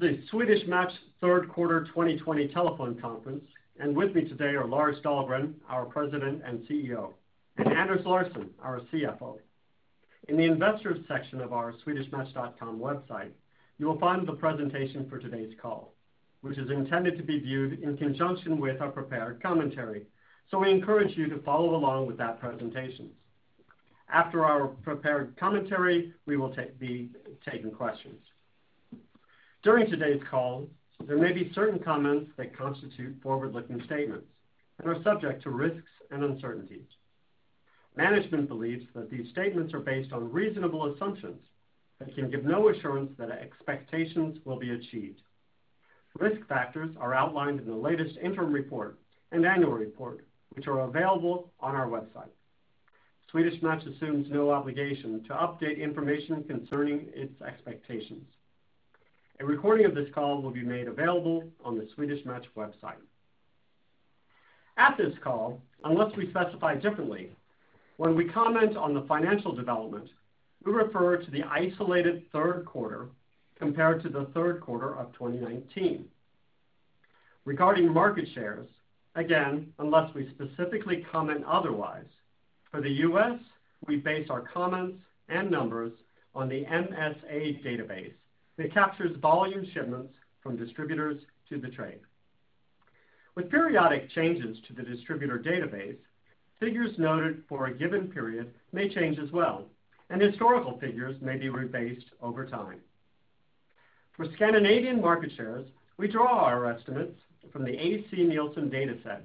The Swedish Match third quarter 2020 telephone conference. With me today are Lars Dahlgren, our President and CEO, and Anders Larsson, our CFO. In the investors section of our swedishmatch.com website, you will find the presentation for today's call, which is intended to be viewed in conjunction with our prepared commentary. We encourage you to follow along with that presentation. After our prepared commentary, we will be taking questions. During today's call, there may be certain comments that constitute forward-looking statements and are subject to risks and uncertainties. Management believes that these statements are based on reasonable assumptions, but can give no assurance that our expectations will be achieved. Risk factors are outlined in the latest interim report and annual report, which are available on our website. Swedish Match assumes no obligation to update information concerning its expectations. A recording of this call will be made available on the Swedish Match website. At this call, unless we specify differently, when we comment on the financial development, we refer to the isolated third quarter compared to the third quarter of 2019. Regarding market shares, again, unless we specifically comment otherwise, for the U.S., we base our comments and numbers on the MSA database that captures volume shipments from distributors to the trade. With periodic changes to the distributor database, figures noted for a given period may change as well, and historical figures may be rebased over time. For Scandinavian market shares, we draw our estimates from the AC Nielsen dataset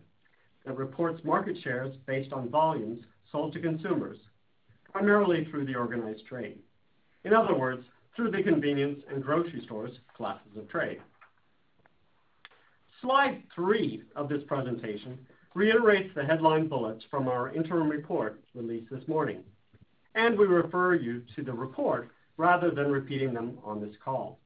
that reports market shares based on volumes sold to consumers, primarily through the organized trade, in other words, through the convenience and grocery stores classes of trade. Slide three of this presentation reiterates the headline bullets from our interim report released this morning, and we refer you to the report rather than repeating them on this call.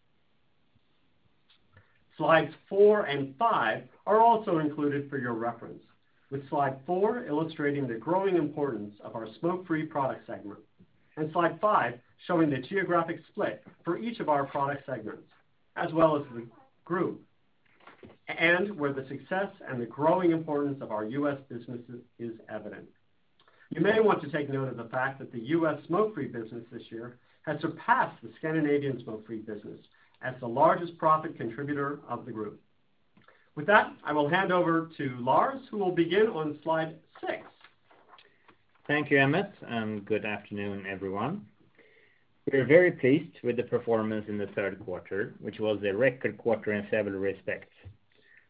Slides four and five are also included for your reference, with slide four illustrating the growing importance of our smokefree product segment, and slide five showing the geographic split for each of our product segments, as well as the group, and where the success and the growing importance of our U.S. businesses is evident. You may want to take note of the fact that the U.S. smokefree business this year has surpassed the Scandinavian smokefree business as the largest profit contributor of the group. With that, I will hand over to Lars, who will begin on slide six. Thank you, Emmett. Good afternoon, everyone. We are very pleased with the performance in the third quarter, which was a record quarter in several respects.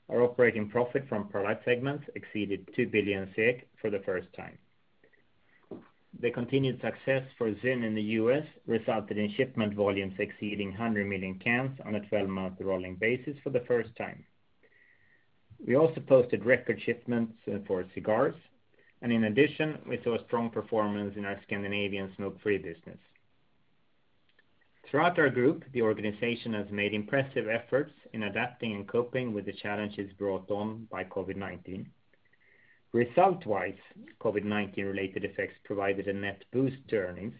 Our operating profit from product segments exceeded 2 billion SEK for the first time. The continued success for ZYN in the U.S. resulted in shipment volumes exceeding 100 million cans on a 12-month rolling basis for the first time. We also posted record shipments for cigars. In addition, we saw a strong performance in our Scandinavian smokefree business. Throughout our group, the organization has made impressive efforts in adapting and coping with the challenges brought on by COVID-19. Result-wise, COVID-19 related effects provided a net boost to earnings.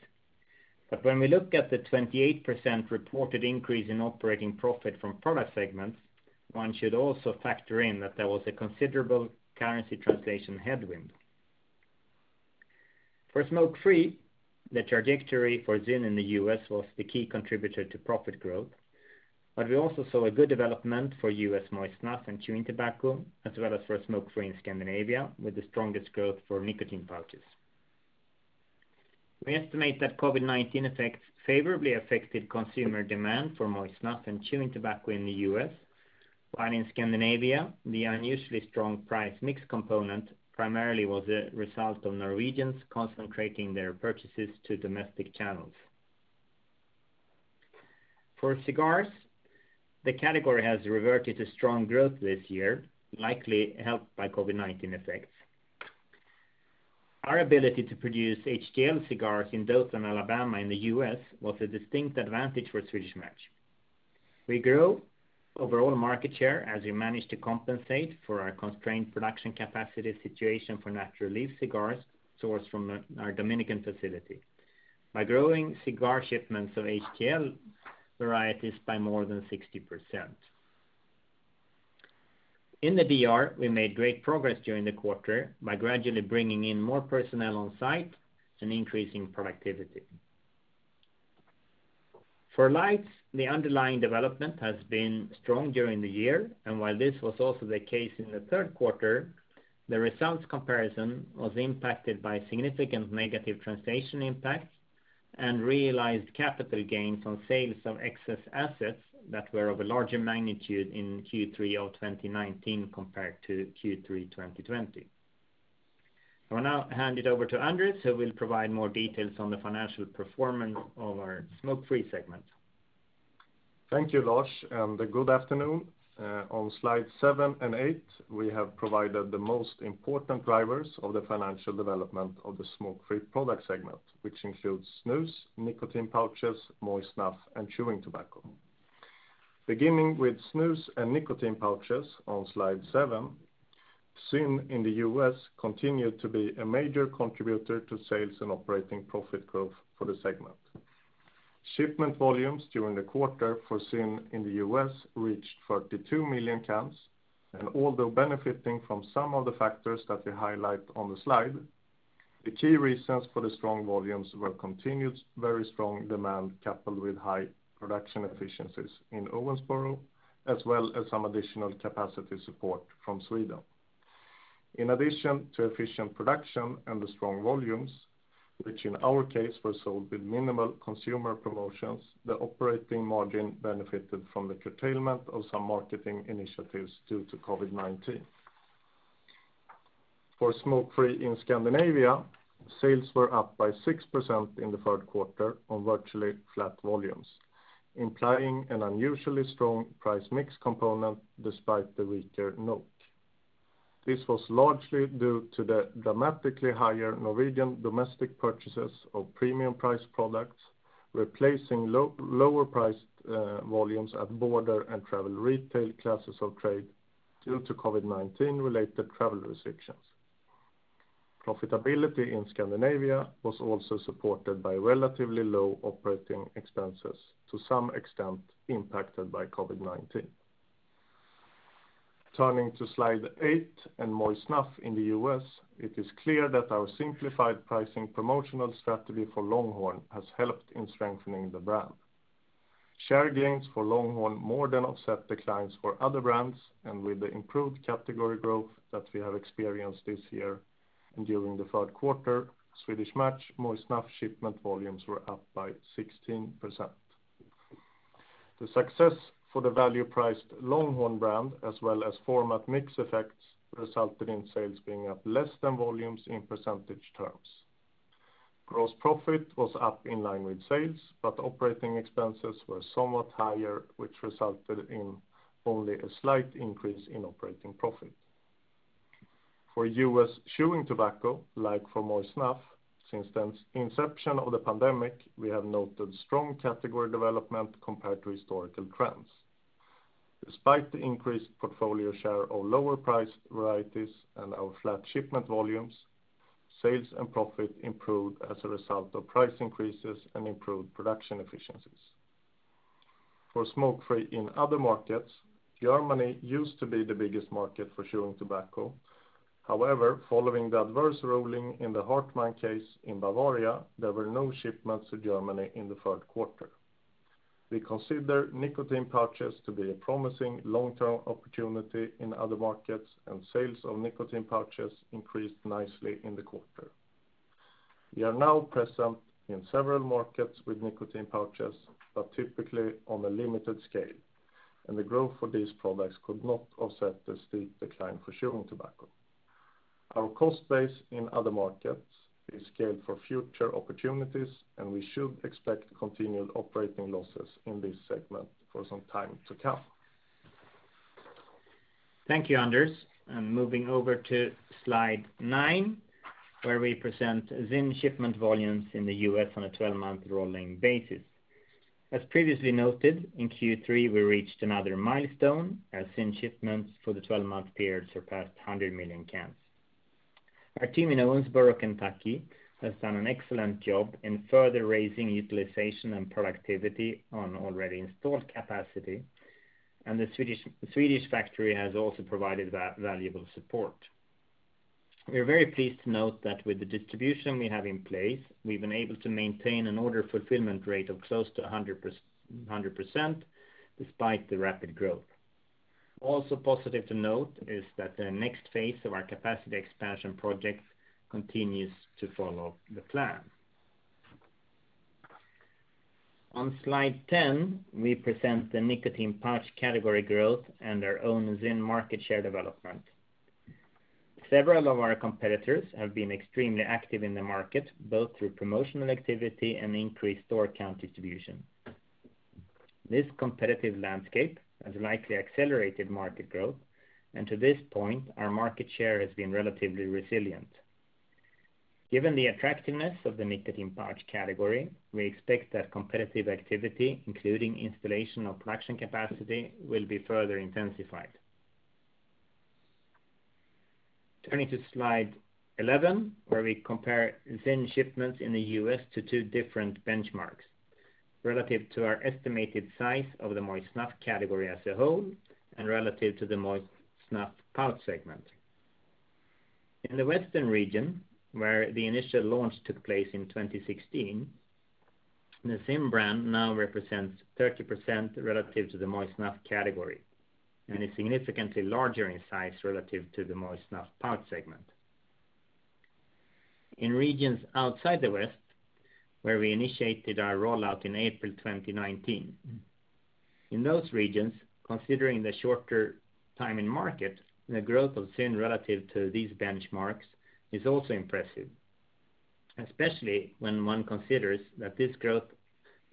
When we look at the 28% reported increase in operating profit from product segments, one should also factor in that there was a considerable currency translation headwind. For Smokefree, the trajectory for ZYN in the U.S. was the key contributor to profit growth, but we also saw a good development for U.S. moist snuff and chewing tobacco, as well as for smokefree in Scandinavia, with the strongest growth for nicotine pouches. We estimate that COVID-19 effects favorably affected consumer demand for moist snuff and chewing tobacco in the U.S. While in Scandinavia, the unusually strong price mix component primarily was a result of Norwegians concentrating their purchases to domestic channels. For cigars, the category has reverted to strong growth this year, likely helped by COVID-19 effects. Our ability to produce HTL cigars in Dothan, Alabama in the U.S. was a distinct advantage for Swedish Match. We grew overall market share as we managed to compensate for our constrained production capacity situation for natural leaf cigars sourced from our Dominican facility by growing cigar shipments of HTL varieties by more than 60%. In the D.R., we made great progress during the quarter by gradually bringing in more personnel on site and increasing productivity. For Lights, the underlying development has been strong during the year, and while this was also the case in the third quarter, the results comparison was impacted by significant negative translation impacts and realized capital gains on sales of excess assets that were of a larger magnitude in Q3 of 2019 compared to Q3 2020. I will now hand it over to Anders, who will provide more details on the financial performance of our Smokefree segment. Thank you, Lars, and good afternoon. On slide seven and eight, we have provided the most important drivers of the financial development of the smokefree product segment, which includes snus, nicotine pouches, moist snuff, and chewing tobacco. Beginning with snus and nicotine pouches on slide seven, ZYN in the U.S. continued to be a major contributor to sales and operating profit growth for the segment. Shipment volumes during the quarter for ZYN in the U.S. reached 42 million cans, although benefiting from some of the factors that we highlight on the slide, the key reasons for the strong volumes were continued very strong demand coupled with high production efficiencies in Owensboro, as well as some additional capacity support from Sweden. In addition to efficient production and the strong volumes, which in our case were sold with minimal consumer promotions, the operating margin benefited from the curtailment of some marketing initiatives due to COVID-19. For Smokefree in Scandinavia, sales were up by 6% in the third quarter on virtually flat volumes, implying an unusually strong price mix component despite the weaker NOK. This was largely due to the dramatically higher Norwegian domestic purchases of premium price products, replacing lower priced volumes at border and travel retail classes of trade due to COVID-19-related travel restrictions. Profitability in Scandinavia was also supported by relatively low operating expenses to some extent impacted by COVID-19. Turning to slide eight and moist snuff in the U.S., it is clear that our simplified pricing promotional strategy for Longhorn has helped in strengthening the brand. Share gains for Longhorn more than offset declines for other brands, and with the improved category growth that we have experienced this year and during the third quarter, Swedish Match moist snuff shipment volumes were up by 16%. The success for the value-priced Longhorn brand as well as format mix effects resulted in sales being up less than volumes in percentage terms. Gross profit was up in line with sales, but operating expenses were somewhat higher, which resulted in only a slight increase in operating profit. For U.S. chewing tobacco, like for moist snuff, since the inception of the pandemic, we have noted strong category development compared to historical trends. Despite the increased portfolio share of lower priced varieties and our flat shipment volumes, sales and profit improved as a result of price increases and improved production efficiencies. For smokefree in other markets, Germany used to be the biggest market for chewing tobacco. However, following the adverse ruling in the Hartmann case in Bavaria, there were no shipments to Germany in the third quarter. We consider nicotine pouches to be a promising long-term opportunity in other markets, and sales of nicotine pouches increased nicely in the quarter. We are now present in several markets with nicotine pouches, but typically on a limited scale, and the growth for these products could not offset the steep decline for chewing tobacco. Our cost base in other markets is scaled for future opportunities, and we should expect continued operating losses in this segment for some time to come. Thank you, Anders. Moving over to slide nine, where we present ZYN shipment volumes in the U.S. on a 12-month rolling basis. As previously noted, in Q3, we reached another milestone as ZYN shipments for the 12-month period surpassed 100 million cans. Our team in Owensboro, Kentucky, has done an excellent job in further raising utilization and productivity on already installed capacity, and the Swedish factory has also provided valuable support. We are very pleased to note that with the distribution we have in place, we've been able to maintain an order fulfillment rate of close to a 100% despite the rapid growth. Also positive to note is that the next phase of our capacity expansion project continues to follow the plan. On slide 10, we present the nicotine pouch category growth and our own ZYN market share development. Several of our competitors have been extremely active in the market, both through promotional activity and increased store count distribution. This competitive landscape has likely accelerated market growth, and to this point, our market share has been relatively resilient. Given the attractiveness of the nicotine pouch category, we expect that competitive activity, including installation of production capacity, will be further intensified. Turning to slide 11, where we compare ZYN shipments in the U.S. to two different benchmarks relative to our estimated size of the moist snuff category as a whole and relative to the moist snuff pouch segment. In the Western region, where the initial launch took place in 2016, the ZYN brand now represents 30% relative to the moist snuff category and is significantly larger in size relative to the moist snuff pouch segment. In regions outside the West, where we initiated our rollout in April 2019, in those regions, considering the shorter time in market, the growth of ZYN relative to these benchmarks is also impressive, especially when one considers that this growth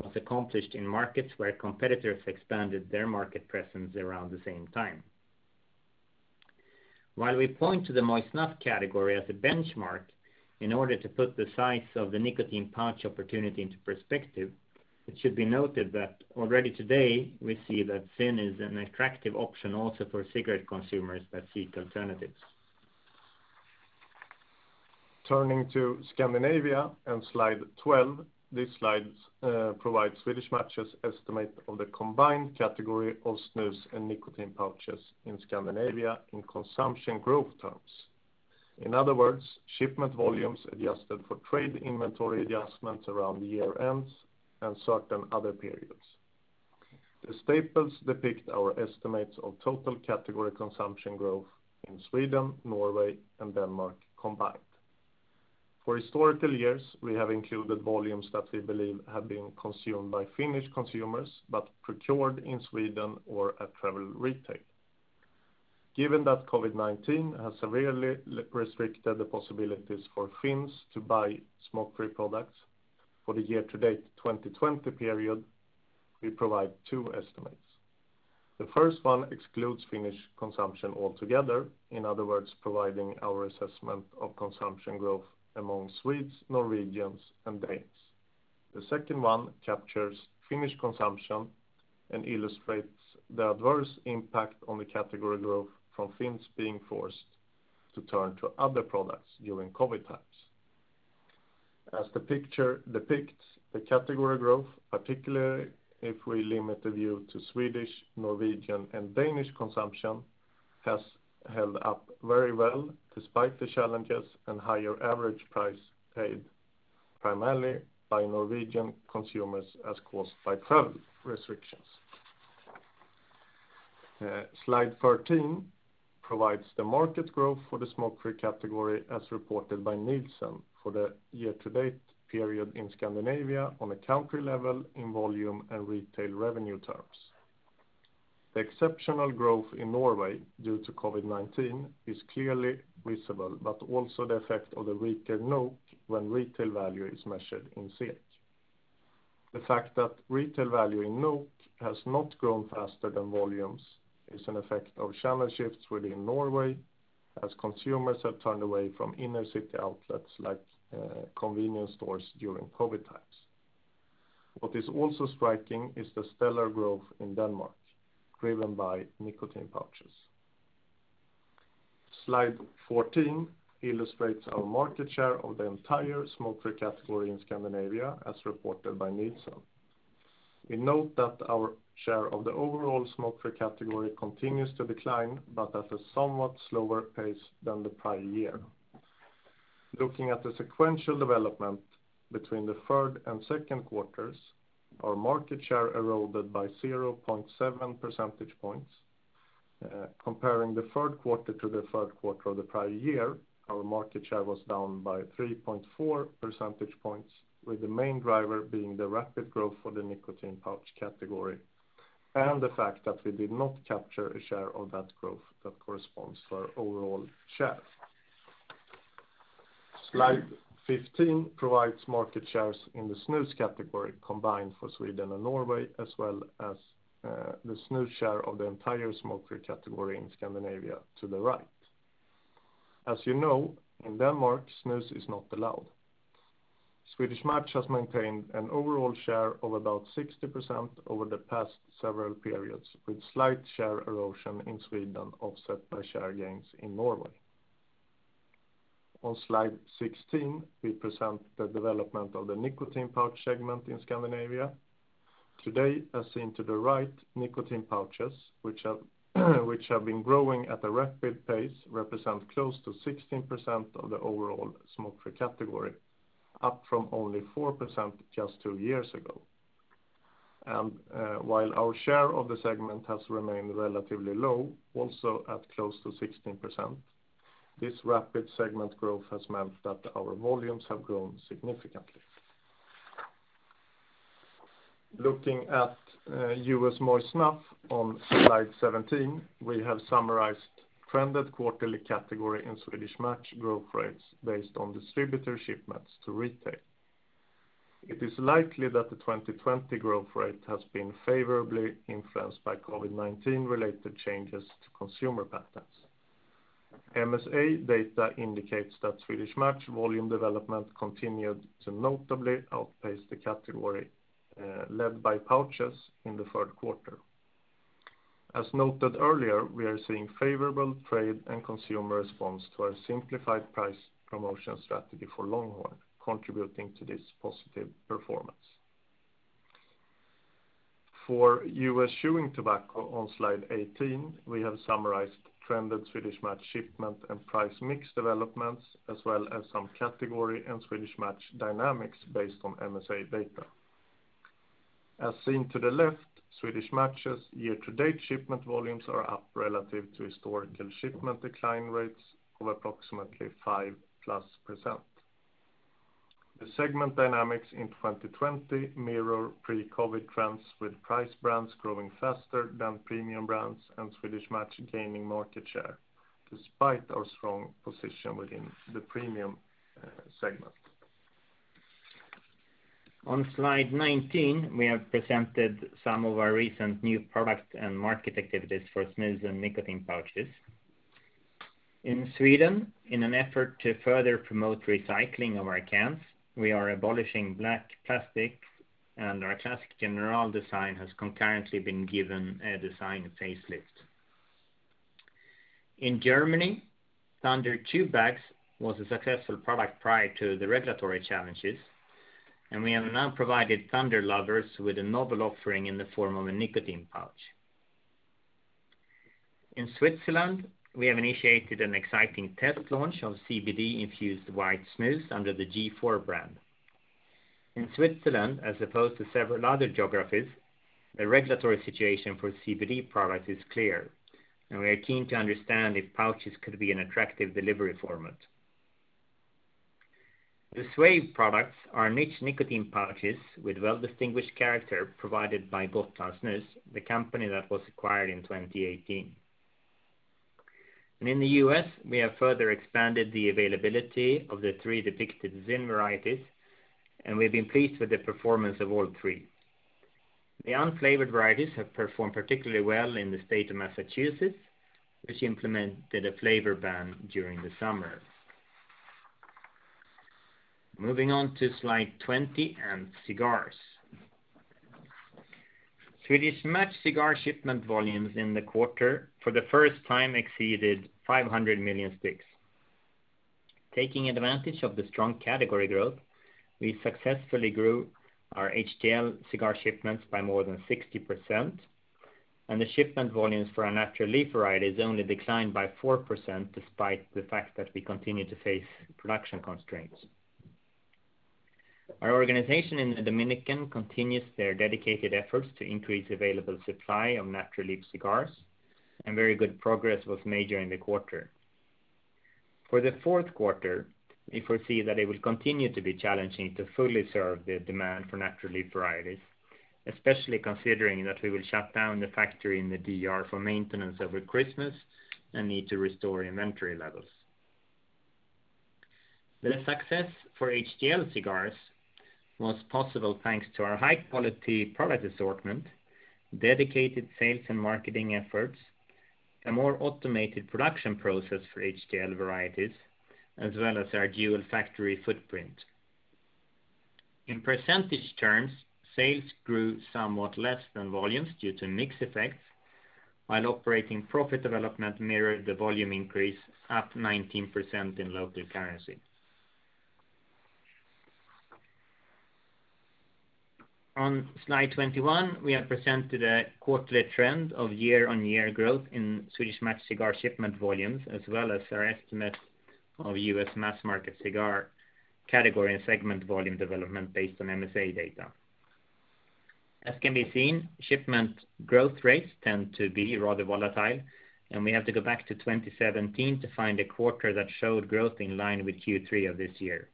was accomplished in markets where competitors expanded their market presence around the same time. While we point to the moist snuff category as a benchmark in order to put the size of the nicotine pouch opportunity into perspective. It should be noted that already today we see that ZYN is an attractive option also for cigarette consumers that seek alternatives. Turning to Scandinavia on slide 12, this slide provides Swedish Match's estimate of the combined category of snus and nicotine pouches in Scandinavia in consumption growth terms. In other words, shipment volumes adjusted for trade inventory adjustments around the year ends and certain other periods. The bars depict our estimates of total category consumption growth in Sweden, Norway and Denmark combined. For historical years, we have included volumes that we believe have been consumed by Finnish consumers, but procured in Sweden or at travel retail. Given that COVID-19 has severely restricted the possibilities for Finns to buy smokefree products, for the year to date 2020 period, we provide two estimates. The first one excludes Finnish consumption altogether, in other words, providing our assessment of consumption growth among Swedes, Norwegians and Danes. The second one captures Finnish consumption and illustrates the adverse impact on the category growth from Finns being forced to turn to other products during COVID times. As the picture depicts, the category growth, particularly if we limit the view to Swedish, Norwegian and Danish consumption, has held up very well despite the challenges and higher average price paid primarily by Norwegian consumers as caused by travel restrictions. Slide 13 provides the market growth for the smokefree category as reported by Nielsen for the year-to-date period in Scandinavia on a country level in volume and retail revenue terms. The exceptional growth in Norway due to COVID-19 is clearly visible, but also the effect of the weaker NOK when retail value is measured in SEK. The fact that retail value in NOK has not grown faster than volumes is an effect of channel shifts within Norway as consumers have turned away from inner city outlets like convenience stores during COVID times. What is also striking is the stellar growth in Denmark, driven by nicotine pouches. Slide 14 illustrates our market share of the entire smokefree category in Scandinavia as reported by Nielsen. We note that our share of the overall smokefree category continues to decline, at a somewhat slower pace than the prior year. Looking at the sequential development between the third and second quarters, our market share eroded by 0.7 percentage points. Comparing the third quarter to the third quarter of the prior year, our market share was down by 3.4 percentage points, with the main driver being the rapid growth for the nicotine pouch category and the fact that we did not capture a share of that growth that corresponds to our overall share. Slide 15 provides market shares in the snus category combined for Sweden and Norway, as well as the snus share of the entire smokefree category in Scandinavia to the right. As you know, in Denmark, snus is not allowed. Swedish Match has maintained an overall share of about 60% over the past several periods, with slight share erosion in Sweden offset by share gains in Norway. On Slide 16, we present the development of the nicotine pouch segment in Scandinavia. Today, as seen to the right, nicotine pouches, which have been growing at a rapid pace, represent close to 16% of the overall smokefree category, up from only 4% just two years ago. While our share of the segment has remained relatively low, also at close to 16%, this rapid segment growth has meant that our volumes have grown significantly. Looking at U.S. moist snuff on slide 17, we have summarized trended quarterly category and Swedish Match growth rates based on distributor shipments to retail. It is likely that the 2020 growth rate has been favorably influenced by COVID-19 related changes to consumer patterns. MSA data indicates that Swedish Match volume development continued to notably outpace the category, led by pouches in the third quarter. As noted earlier, we are seeing favorable trade and consumer response to our simplified price promotion strategy for Longhorn contributing to this positive performance. For U.S. chewing tobacco on slide 18, we have summarized trended Swedish Match shipment and price mix developments, as well as some category and Swedish Match dynamics based on MSA data. As seen to the left, Swedish Match's year to date shipment volumes are up relative to historical shipment decline rates of approximately 5%+. The segment dynamics in 2020 mirror pre-COVID-19 trends, with price brands growing faster than premium brands and Swedish Match gaining market share despite our strong position within the premium segment. On slide 19, we have presented some of our recent new product and market activities for snus and nicotine pouches. In Sweden, in an effort to further promote recycling of our cans, we are abolishing black plastic, and our classic General design has concurrently been given a design facelift. In Germany, Thunder chew bags was a successful product prior to the regulatory challenges, and we have now provided Thunder lovers with a novel offering in the form of a nicotine pouch. In Switzerland, we have initiated an exciting test launch of CBD-infused white snus under the G.4 brand. In Switzerland, as opposed to several other geographies, the regulatory situation for CBD products is clear, and we are keen to understand if pouches could be an attractive delivery format. The Swave products are niche nicotine pouches with well-distinguished character provided by Gotlandssnus, the company that was acquired in 2018. In the U.S., we have further expanded the availability of the three depicted ZYN varieties, and we've been pleased with the performance of all three. The unflavored varieties have performed particularly well in the state of Massachusetts, which implemented a flavor ban during the summer. Moving on to slide 20 and cigars. Swedish Match cigar shipment volumes in the quarter for the first time exceeded 500 million sticks. Taking advantage of the strong category growth, we successfully grew our HTL cigar shipments by more than 60%, and the shipment volumes for our natural leaf varieties only declined by 4% despite the fact that we continue to face production constraints. Our organization in the Dominican continues their dedicated efforts to increase available supply of natural leaf cigars. Very good progress was made during the quarter. For the fourth quarter, we foresee that it will continue to be challenging to fully serve the demand for natural leaf varieties, especially considering that we will shut down the factory in the D.R. for maintenance over Christmas and need to restore inventory levels. The success for HTL cigars was possible thanks to our high-quality product assortment, dedicated sales and marketing efforts, a more automated production process for HTL varieties, as well as our dual factory footprint. In percentage terms, sales grew somewhat less than volumes due to mix effects, while operating profit development mirrored the volume increase up 19% in local currency. On slide 21, we have presented a quarterly trend of year-on-year growth in Swedish Match cigar shipment volumes, as well as our estimate of U.S. mass market cigar category and segment volume development based on MSA data. As can be seen, shipment growth rates tend to be rather volatile, and we have to go back to 2017 to find a quarter that showed growth in line with Q3 of this year.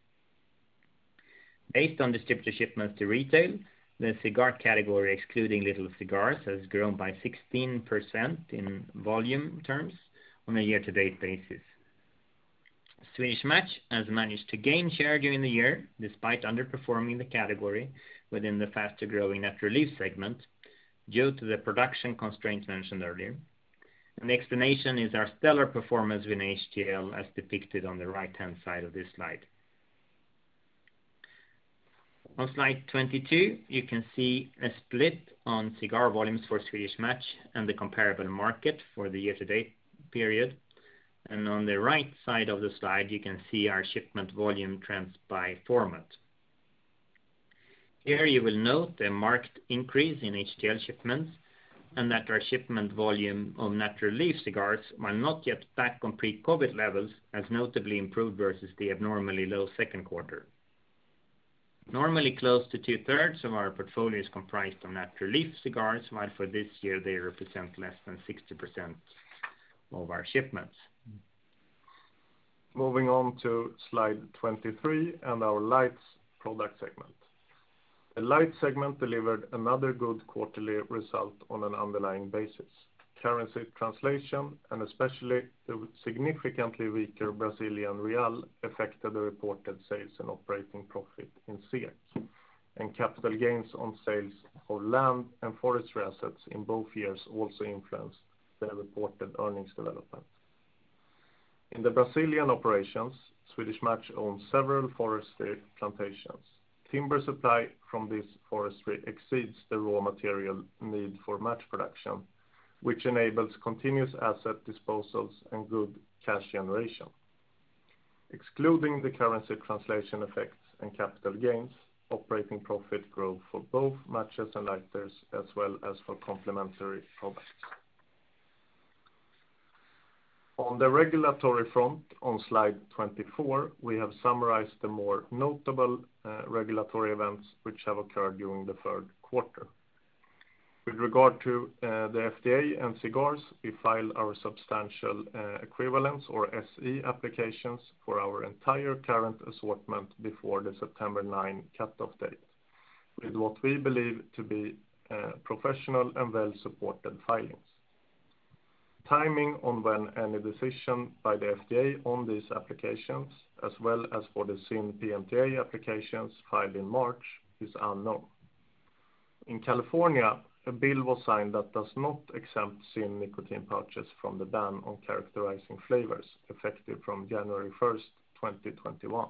Based on distributor shipments to retail, the cigar category, excluding little cigars, has grown by 16% in volume terms on a year-to-date basis. Swedish Match has managed to gain share during the year despite underperforming the category within the faster-growing natural leaf segment due to the production constraints mentioned earlier. An explanation is our stellar performance in HTL, as depicted on the right-hand side of this slide. On slide 22, you can see a split on cigar volumes for Swedish Match and the comparable market for the year-to-date period. On the right side of the slide, you can see our shipment volume trends by format. Here you will note a marked increase in HTL shipments and that our shipment volume of natural leaf cigars, while not yet back on pre-COVID levels, has notably improved versus the abnormally low second quarter. Normally close to two-thirds of our portfolio is comprised of natural leaf cigars, while for this year they represent less than 60% of our shipments. Moving on to slide 23 and our lights product segment. The light segment delivered another good quarterly result on an underlying basis. Currency translation and especially the significantly weaker Brazilian real affected the reported sales and operating profit in SEK, and capital gains on sales of land and forest assets in both years also influenced the reported earnings development. In the Brazilian operations, Swedish Match owns several forestry plantations. Timber supply from this forestry exceeds the raw material need for match production, which enables continuous asset disposals and good cash generation. Excluding the currency translation effects and capital gains, operating profit growth for both matches and lighters as well as for complementary products. On the regulatory front on slide 24, we have summarized the more notable regulatory events which have occurred during the third quarter. With regard to the FDA and cigars, we filed our substantial equivalence or SE applications for our entire current assortment before the September 9 cutoff date with what we believe to be professional and well-supported filings. Timing on when any decision by the FDA on these applications as well as for the ZYN PMTA applications filed in March is unknown. In California, a bill was signed that does not exempt ZYN nicotine pouches from the ban on characterizing flavors effective from January 1st, 2021.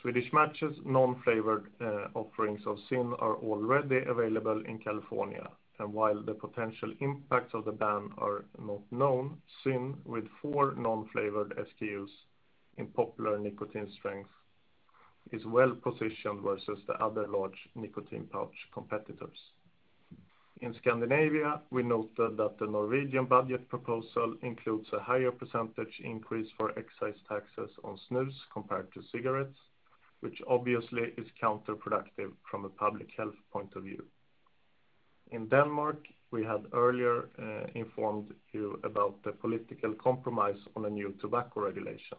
Swedish Match's non-flavored offerings of ZYN are already available in California. While the potential impacts of the ban are not known, ZYN with four non-flavored SKUs in popular nicotine strength is well-positioned versus the other large nicotine pouch competitors. In Scandinavia, we noted that the Norwegian budget proposal includes a higher percentage increase for excise taxes on snus compared to cigarettes, which obviously is counterproductive from a public health point of view. In Denmark, we had earlier informed you about the political compromise on a new tobacco regulation.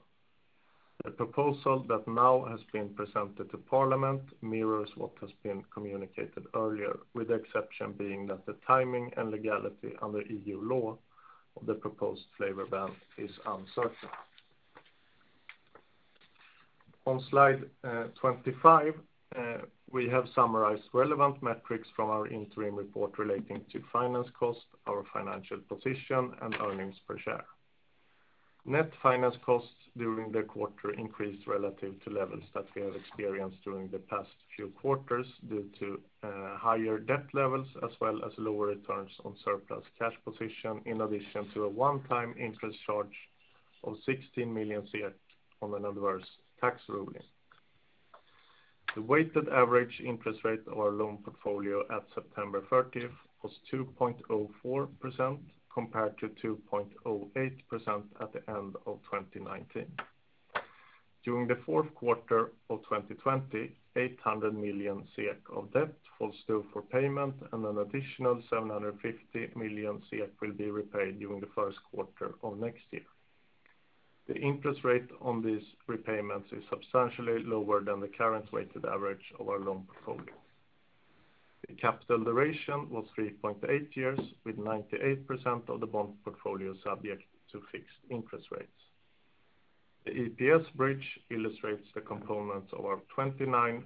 The proposal that now has been presented to Parliament mirrors what has been communicated earlier, with the exception being that the timing and legality under EU law of the proposed flavor ban is uncertain. On slide 25, we have summarized relevant metrics from our interim report relating to finance cost, our financial position, and earnings per share. Net finance costs during the quarter increased relative to levels that we have experienced during the past few quarters due to higher debt levels as well as lower returns on surplus cash position, in addition to a onetime interest charge of 16 million on an adverse tax ruling. The weighted average interest rate of our loan portfolio at September 30th was 2.04% compared to 2.08% at the end of 2019. During the fourth quarter of 2020, 800 million of debt falls due for payment, and an additional 750 million will be repaid during the first quarter of next year. The interest rate on these repayments is substantially lower than the current weighted average of our loan portfolio. The capital duration was 3.8 years, with 98% of the bond portfolio subject to fixed interest rates. The EPS bridge illustrates the components of our 29%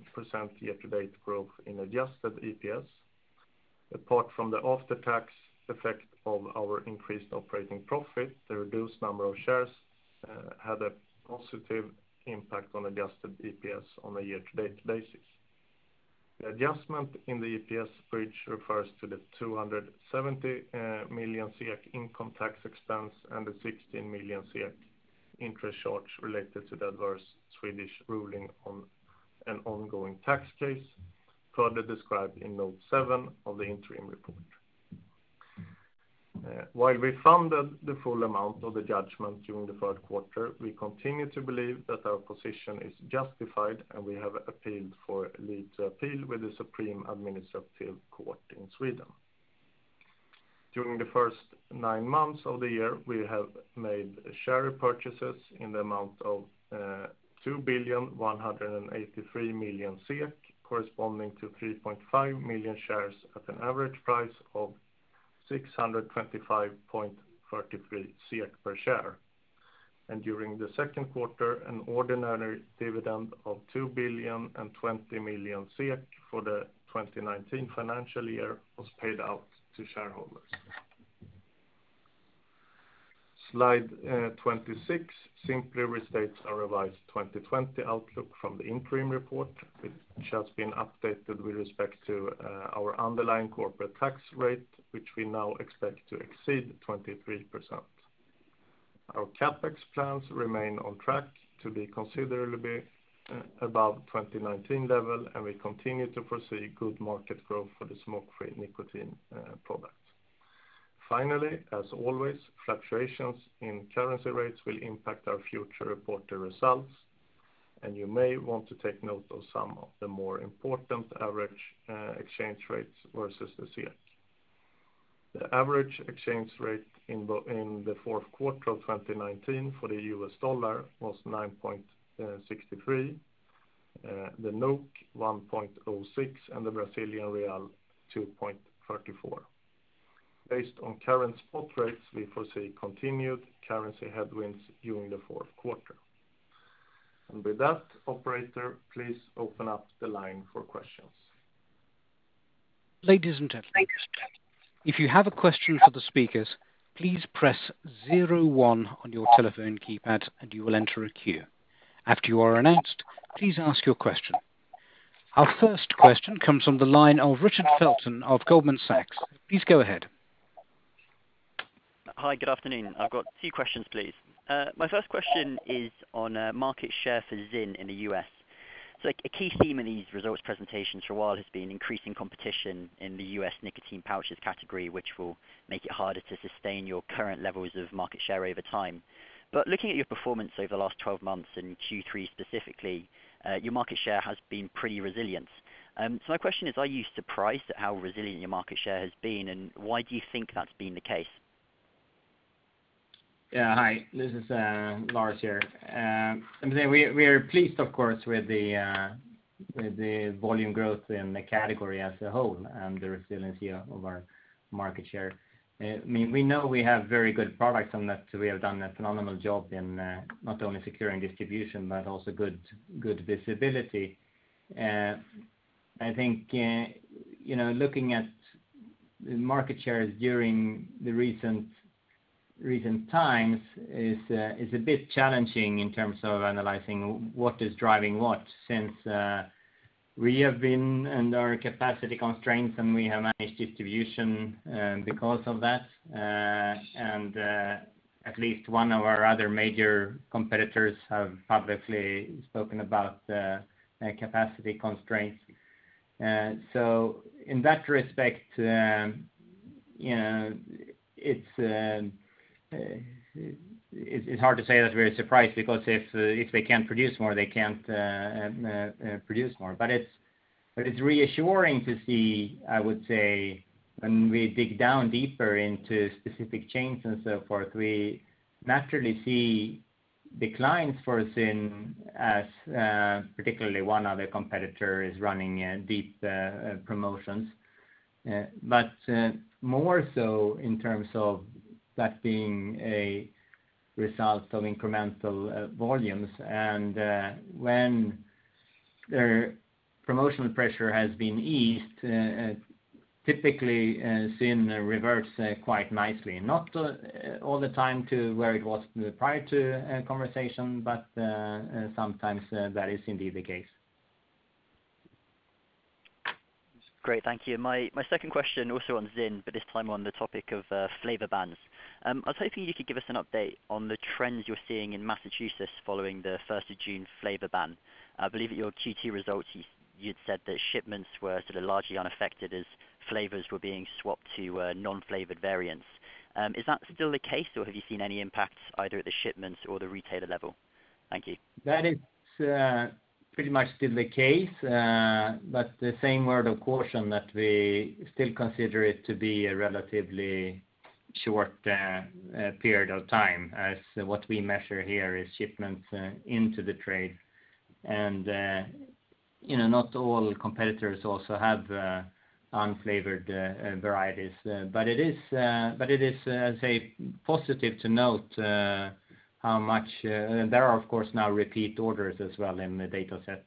year-to-date growth in adjusted EPS. Apart from the after-tax effect of our increased operating profit, the reduced number of shares had a positive impact on adjusted EPS on a year-to-date basis. The adjustment in the EPS bridge refers to the 270 million income tax expense and the 16 million interest charge related to the adverse Swedish ruling on an ongoing tax case, further described in note seven of the interim report. While we funded the full amount of the judgment during the third quarter, we continue to believe that our position is justified, and we have appealed for leave to appeal with the Supreme Administrative Court of Sweden. During the first nine months of the year, we have made share repurchases in the amount of 2,183,000,000 SEK, corresponding to 3.5 million shares at an average price of 625.33 per share. During the second quarter, an ordinary dividend of 2,020,000,000 SEK for the 2019 financial year was paid out to shareholders. Slide 26 simply restates our revised 2020 outlook from the interim report, which has been updated with respect to our underlying corporate tax rate, which we now expect to exceed 23%. Our CapEx plans remain on track to be considerably above 2019 level, and we continue to foresee good market growth for the smokefree nicotine products. Finally, as always, fluctuations in currency rates will impact our future reported results, and you may want to take note of some of the more important average exchange rates versus the SEK. The average exchange rate in the fourth quarter of 2019 for the U.S. dollar was 9.63, the 1.06, and the Brazilian real 2.34. Based on current spot rates, we foresee continued currency headwinds during the fourth quarter. Operator, please open up the line for questions. Ladies and gentlemen, if you have a question for the speakers, please press zero one on your telephone keypad, and you will enter a queue. After you are announced, please ask your question. Our first question comes from the line of Richard Felton of Goldman Sachs. Please go ahead. Hi. Good afternoon. I've got two questions, please. My first question is on market share for ZYN in the U.S. A key theme in these results presentations for a while has been increasing competition in the U.S. nicotine pouches category, which will make it harder to sustain your current levels of market share over time. Looking at your performance over the last 12 months and Q3 specifically, your market share has been pretty resilient. My question is: are you surprised at how resilient your market share has been, and why do you think that's been the case? Yeah. Hi. This is Lars here. I would say we are pleased, of course, with the volume growth in the category as a whole and the resiliency of our market share. I mean, we know we have very good products and that we have done a phenomenal job in not only securing distribution but also good visibility. I think, you know, looking at the market shares during the recent times is a bit challenging in terms of analyzing what is driving what, since we have been under capacity constraints, and we have managed distribution because of that. At least one of our other major competitors have publicly spoken about capacity constraints. In that respect, you know, it's hard to say that we're surprised because if they can't produce more, they can't produce more. It's reassuring to see, I would say, when we dig down deeper into specific changes and so forth, we naturally see declines for ZYN as particularly one other competitor is running deep promotions. More so in terms of that being a result of incremental volumes and when their promotional pressure has been eased, typically ZYN reverts quite nicely. Not all the time to where it was prior to conversation, but sometimes that is indeed the case. Great. Thank you. My second question also on ZYN, but this time on the topic of flavor bans. I was hoping you could give us an update on the trends you're seeing in Massachusetts following the 1st of June flavor ban. I believe at your Q2 results, you'd said that shipments were sort of largely unaffected as flavors were being swapped to non-flavored variants. Is that still the case, or have you seen any impacts either at the shipments or the retailer level? Thank you. That is pretty much still the case. The same word of caution that we still consider it to be a relatively short period of time, as what we measure here is shipments into the trade. You know, not all competitors also have unflavored varieties. It is, say, positive to note how much there are, of course, now repeat orders as well in the data set,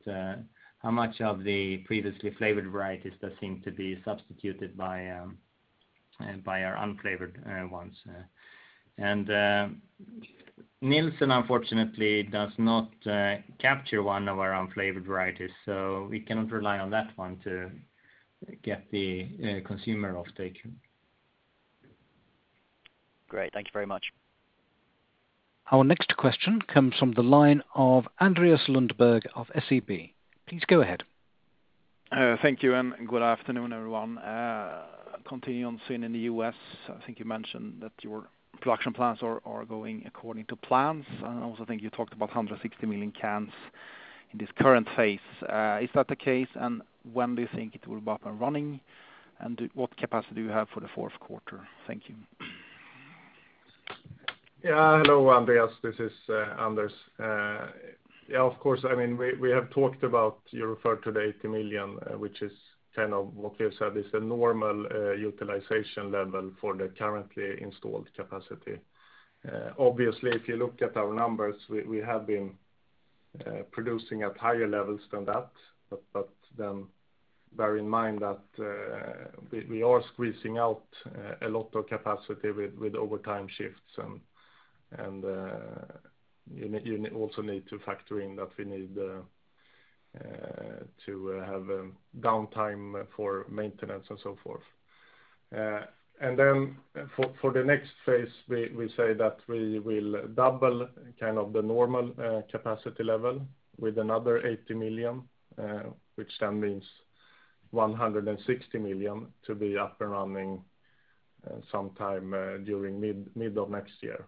how much of the previously flavored varieties that seem to be substituted by our unflavored ones. Nielsen unfortunately does not capture one of our unflavored varieties, so we cannot rely on that one to get the consumer off taken. Great. Thank you very much. Our next question comes from the line of Andreas Lundberg of SEB. Please go ahead. Thank you, and good afternoon, everyone. Continuing on ZYN in the U.S., I think you mentioned that your production plans are going according to plans. I also think you talked about 160 million cans in this current phase. Is that the case? When do you think it will be up and running? What capacity do you have for the fourth quarter? Thank you. Hello, Andreas. This is Anders. Yes, of course. I mean, we have talked about, you referred to the 80 million, which is kind of what you said is the normal utilization level for the currently installed capacity. Obviously, if you look at our numbers, we have been producing at higher levels than that. Bear in mind that we are squeezing out a lot of capacity with overtime shifts and you also need to factor in that we need to have downtime for maintenance and so forth. For the next phase, we say that we will double kind of the normal capacity level with another 80 million, which means 160 million to be up and running sometime during mid of next year.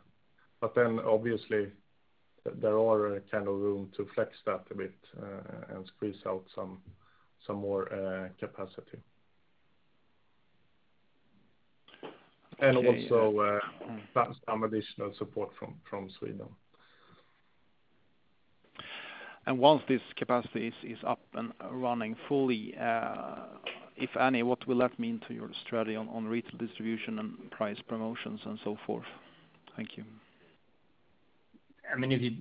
Obviously there are kind of room to flex that a bit and squeeze out some more capacity. Okay. Also, some additional support from Sweden. Once this capacity is up and running fully, if any, what will that mean to your strategy on retail distribution and price promotions and so forth? Thank you. I mean, if you,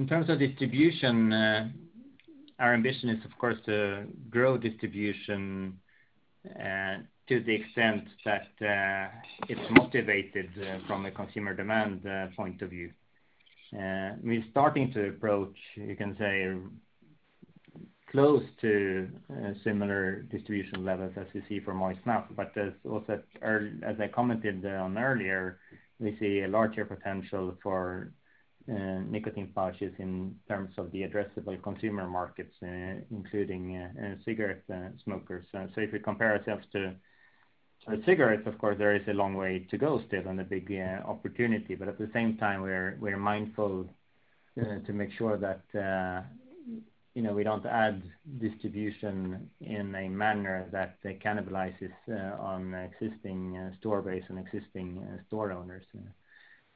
in terms of distribution, our ambition is of course to grow distribution to the extent that it's motivated from a consumer demand point of view. We're starting to approach, you can say, close to similar distribution levels as you see for moist snuff. As I commented on earlier, we see a larger potential for nicotine pouches in terms of the addressable consumer markets, including cigarette smokers. If you compare ourselves to cigarettes, of course there is a long way to go still and a big opportunity. At the same time, we're mindful to make sure that, you know, we don't add distribution in a manner that cannibalizes on existing store base and existing store owners.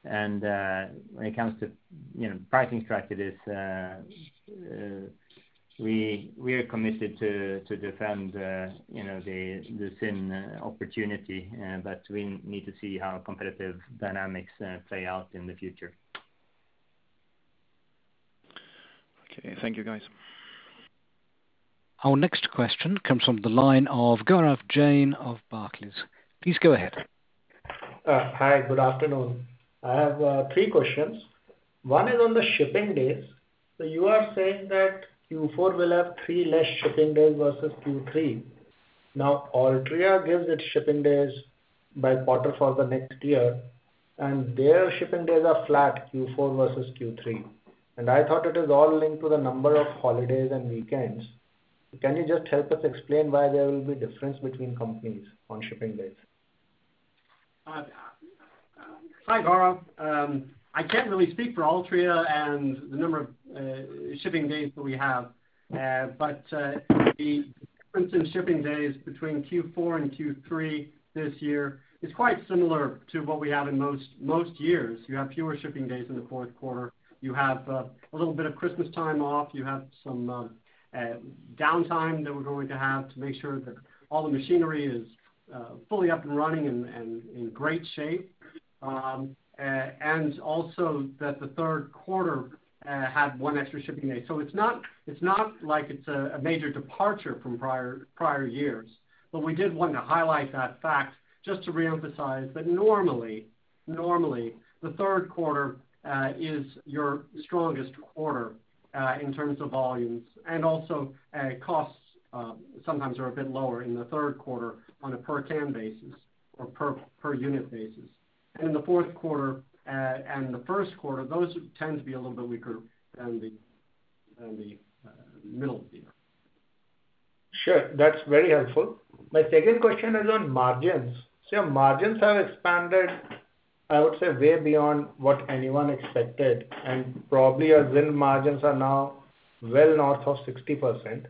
When it comes to, you know, pricing strategy, we are committed to defend, you know, the ZYN opportunity, but we need to see how competitive dynamics play out in the future. Okay. Thank you, guys. Our next question comes from the line of Gaurav Jain of Barclays. Please go ahead. Hi. Good afternoon. I have three questions. One is on the shipping days. You are saying that Q4 will have three less shipping days versus Q3. Altria gives its shipping days by quarter for the next year, and their shipping days are flat, Q4 versus Q3. I thought it is all linked to the number of holidays and weekends. Can you just help us explain why there will be difference between companies on shipping days? Hi, Gaurav. I can't really speak for Altria and the number of shipping days that we have. The difference in shipping days between Q4 and Q3 this year is quite similar to what we have in most years. You have fewer shipping days in the fourth quarter. You have a little bit of Christmas time off. You have some downtime that we're going to have to make sure that all the machinery is fully up and running and in great shape. Also that the third quarter had one extra shipping day. It's not like it's a major departure from prior years, but we did want to highlight that fact just to reemphasize that normally the third quarter is your strongest quarter in terms of volumes and also costs sometimes are a bit lower in the third quarter on a per can basis or per unit basis. In the fourth quarter and the first quarter, those tend to be a little bit weaker than the middle tier. Sure. That's very helpful. My second question is on margins. Your margins have expanded, I would say, way beyond what anyone expected, and probably your ZYN margins are now well north of 60%.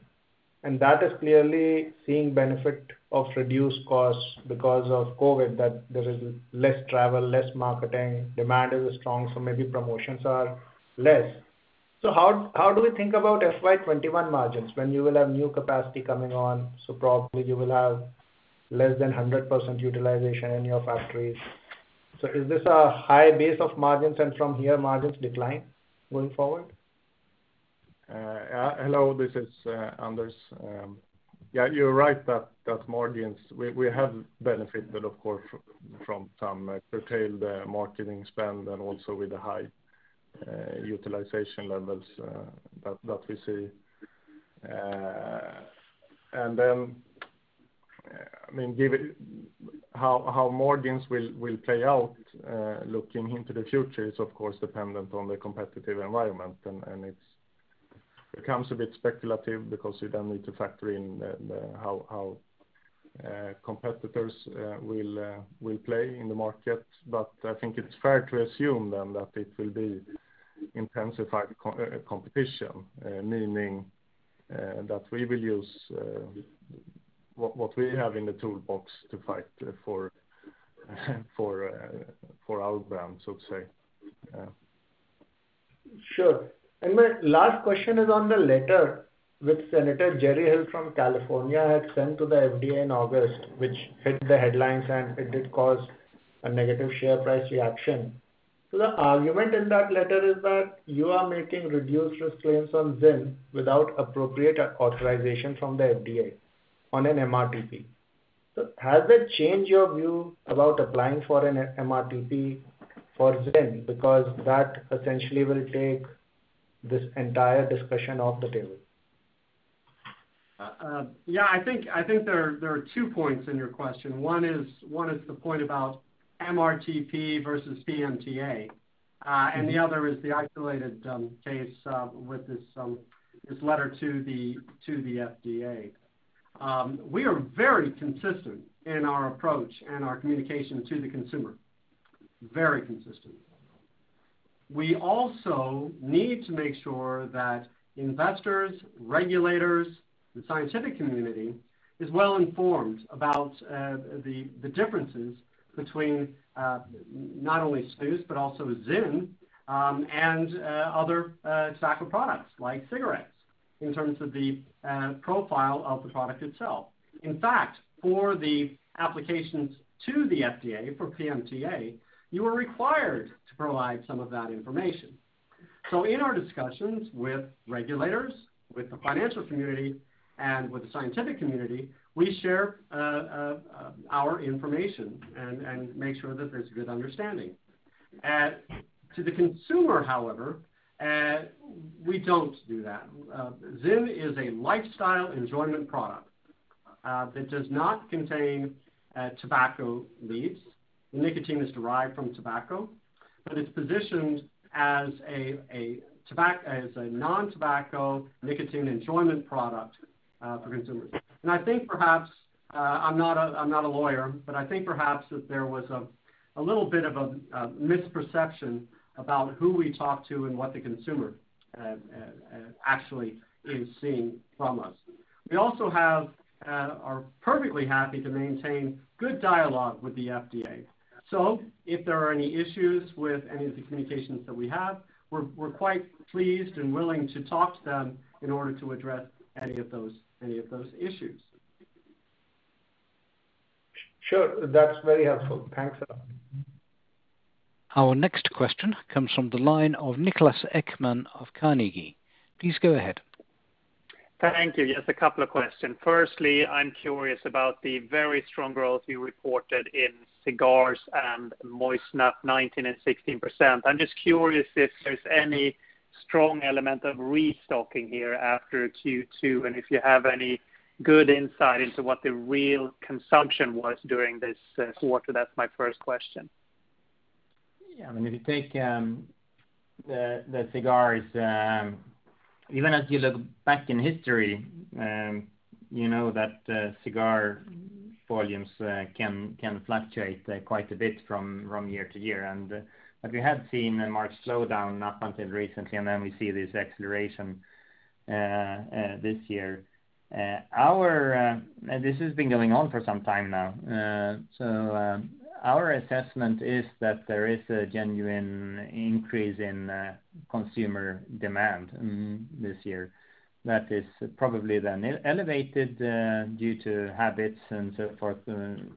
That is clearly seeing benefit of reduced costs because of COVID, that there is less travel, less marketing. Demand is strong, maybe promotions are less. How do we think about FY 2021 margins when you will have new capacity coming on, so probably you will have less than 100% utilization in your factories? Is this a high base of margins, and from here, margins decline going forward? Hello, this is Anders. Yeah, you're right that margins We have benefited, of course, from some curtailed marketing spend and also with the high utilization levels that we see. I mean, given how margins will play out looking into the future is, of course, dependent on the competitive environment, and it becomes a bit speculative because you then need to factor in the how competitors will play in the market. I think it's fair to assume then that it will be intensified competition, meaning that we will use what we have in the toolbox to fight for our brands, so to say. Yeah. Sure. My last question is on the letter which Senator Jerry Hill from California had sent to the FDA in August, which hit the headlines, and it did cause a negative share price reaction. The argument in that letter is that you are making reduced risk claims on ZYN without appropriate authorization from the FDA on an MRTP. Has it changed your view about applying for an MRTP for ZYN? Because that essentially will take this entire discussion off the table. Yeah, I think there are two points in your question. One is the point about MRTP versus PMTA, and the other is the isolated case with this letter to the FDA. We are very consistent in our approach and our communication to the consumer. Very consistent. We also need to make sure that investors, regulators, the scientific community is well informed about the differences between not only snus but also ZYN, and other tobacco products like cigarettes in terms of the profile of the product itself. In fact, for the applications to the FDA for PMTA, you are required to provide some of that information. In our discussions with regulators, with the financial community, and with the scientific community, we share our information and make sure that there's good understanding. To the consumer, however, we don't do that. ZYN is a lifestyle enjoyment product that does not contain tobacco leaves. Nicotine is derived from tobacco, but it's positioned as a non-tobacco nicotine enjoyment product for consumers. I think perhaps, I'm not a lawyer, but I think perhaps that there was a little bit of a misperception about who we talk to and what the consumer actually is seeing from us. We also have, are perfectly happy to maintain good dialogue with the FDA. If there are any issues with any of the communications that we have, we're quite pleased and willing to talk to them in order to address any of those issues. Sure. That's very helpful. Thanks a lot. Our next question comes from the line of Niklas Ekman of Carnegie. Please go ahead. Thank you. A couple of questions. Firstly, I'm curious about the very strong growth you reported in cigars and moist snuff, 19% and 16%. I'm just curious if there's any strong element of restocking here after Q2, and if you have any good insight into what the real consumption was during this quarter. That's my first question. Yeah. I mean, if you take the cigars, even as you look back in history, you know that cigar volumes can fluctuate quite a bit from year to year. But we have seen a marked slowdown up until recently, and then we see this acceleration this year. This has been going on for some time now. Our assessment is that there is a genuine increase in consumer demand this year that is probably then elevated due to habits and so forth in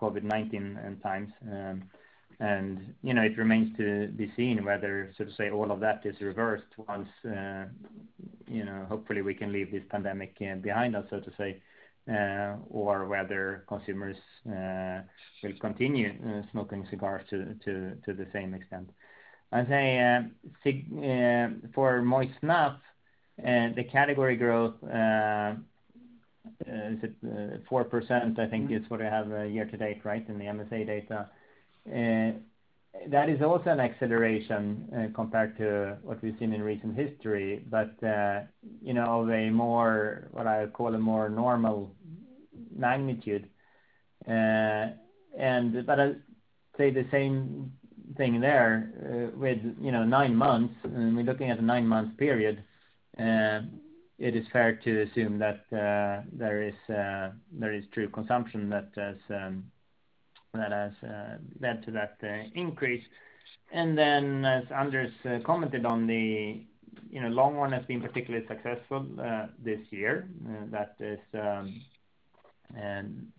COVID-19 times. You know, it remains to be seen whether, so to say, all of that is reversed once, you know, hopefully we can leave this pandemic behind us, so to say, or whether consumers will continue smoking cigars to the same extent. I'd say, for moist snuff, the category growth is it 4%, I think is what I have year-to-date, right, in the MSA data. That is also an acceleration compared to what we've seen in recent history. You know, a more, what I call a more normal magnitude. I'd say the same thing there with, you know, nine months, and we're looking at a nine-month period. It is fair to assume that there is true consumption that has that has led to that increase. Then as Anders commented on the, you know, Longhorn has been particularly successful this year, that is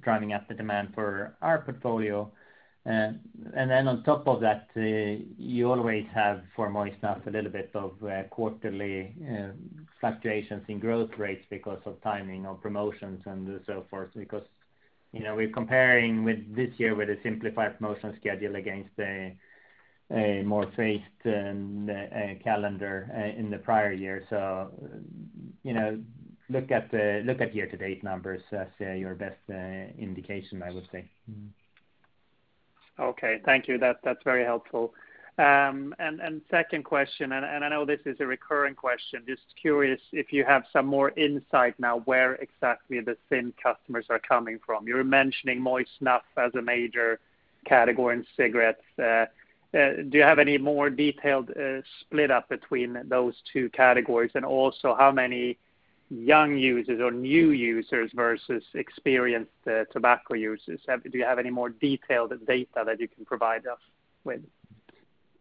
driving up the demand for our portfolio. Then on top of that, you always have for moist snuff a little bit of quarterly fluctuations in growth rates because of timing of promotions and so forth. You know, we're comparing with this year with a simplified promotion schedule against a more phased calendar in the prior year. You know, look at the year-to-date numbers as your best indication, I would say. Okay. Thank you. That's very helpful. Second question, I know this is a recurring question, just curious if you have some more insight now where exactly the ZYN customers are coming from. You're mentioning moist snuff as a major category in cigarettes. Do you have any more detailed split up between those two categories? Also, how many young users or new users versus experienced tobacco users? Do you have any more detailed data that you can provide us with?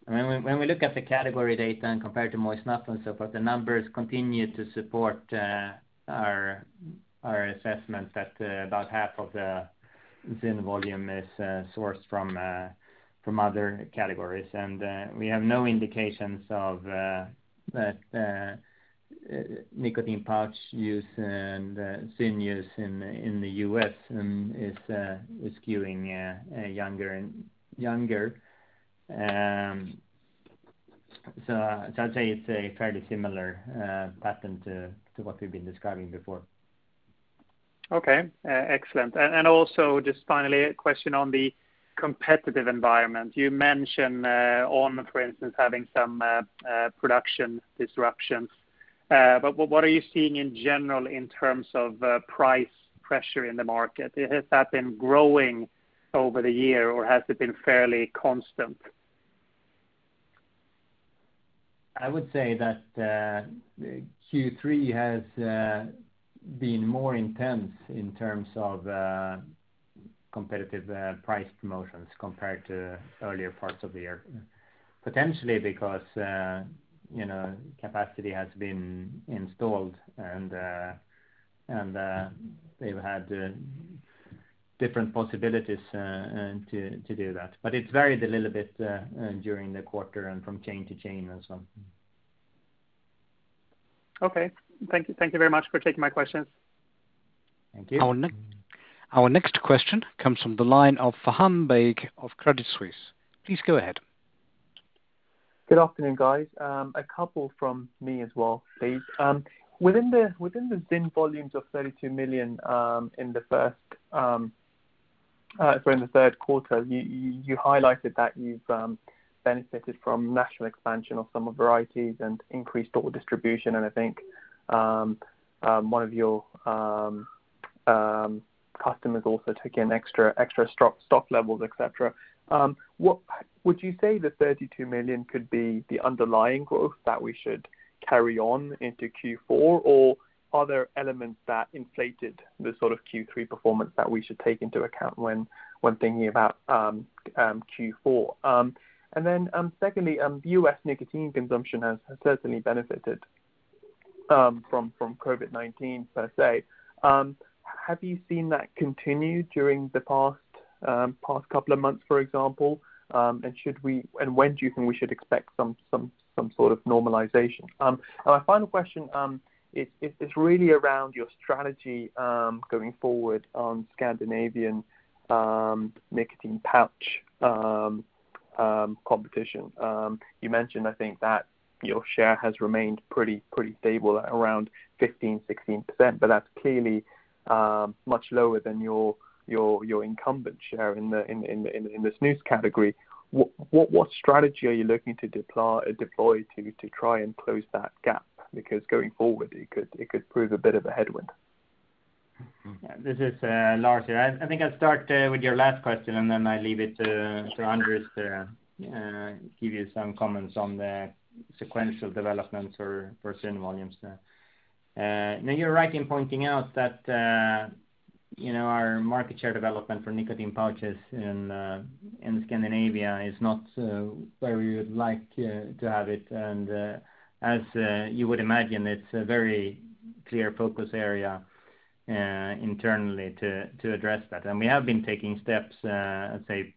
When we look at the category data and compare it to moist snuff and so forth, the numbers continue to support our assessment that about half of the ZYN volume is sourced from other categories. We have no indications of that nicotine pouch use and ZYN use in the U.S. is skewing younger and younger. I'd say it's a fairly similar pattern to what we've been describing before. Okay, excellent. Also, just finally, a question on the competitive environment. You mentioned, for instance, having some production disruptions. What are you seeing in general in terms of price pressure in the market? Has that been growing over the year or has it been fairly constant? I would say that, Q3 has been more intense in terms of competitive price promotions compared to earlier parts of the year. Potentially because, you know, capacity has been installed and they've had different possibilities to do that. It's varied a little bit during the quarter and from chain to chain and so on. Okay. Thank you. Thank you very much for taking my questions. Thank you. Our next question comes from the line of Faham Baig of Credit Suisse. Please go ahead. Good afternoon, guys. A couple from me as well, please. Within the ZYN volumes of 32 million in the third quarter, you highlighted that you've benefited from national expansion of some varieties and increased total distribution. I think one of your customers also took in extra stock levels, et cetera. Would you say the 32 million could be the underlying growth that we should carry on into Q4? Or are there elements that inflated the sort of Q3 performance that we should take into account when thinking about Q4? Secondly, U.S. nicotine consumption has certainly benefited from COVID-19 per se. Have you seen that continue during the past couple of months, for example? When do you think we should expect some sort of normalization? My final question, it is really around your strategy going forward on Scandinavian nicotine pouch competition. You mentioned, I think, that your share has remained pretty stable at around 15%, 16%, but that is clearly much lower than your incumbent share in the snus category. What strategy are you looking to deploy to try and close that gap? Going forward, it could prove a bit of a headwind. This is Lars here. I think I'll start with your last question, and then I leave it to Anders to give you some comments on the sequential developments for certain volumes there. No, you're right in pointing out that, you know, our market share development for nicotine pouches in Scandinavia is not where we would like to have it. As you would imagine, it's a very clear focus area internally to address that. We have been taking steps, let's say,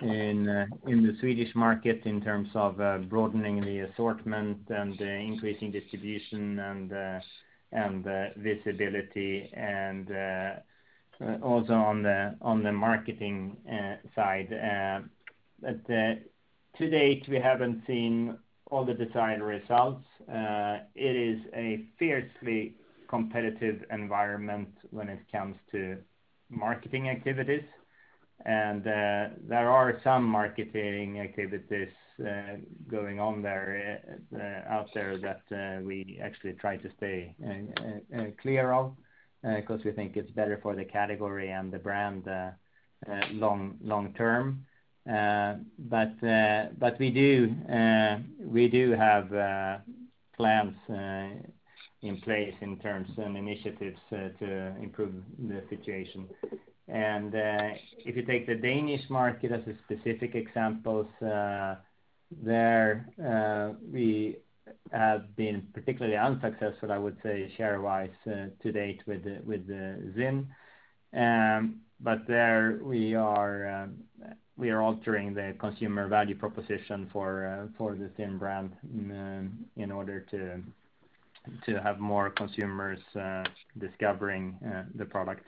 in the Swedish market in terms of broadening the assortment and increasing distribution and visibility and also on the marketing side. To date, we haven't seen all the desired results. It is a fiercely competitive environment when it comes to marketing activities. There are some marketing activities going on out there that we actually try to stay clear of because we think it's better for the category and the brand long term. But we do have plans in place in terms of initiatives to improve the situation. If you take the Danish market as a specific example, there we have been particularly unsuccessful, I would say, share-wise, to date with the ZYN. But there we are, we are altering the consumer value proposition for the ZYN brand in order to have more consumers discovering the product.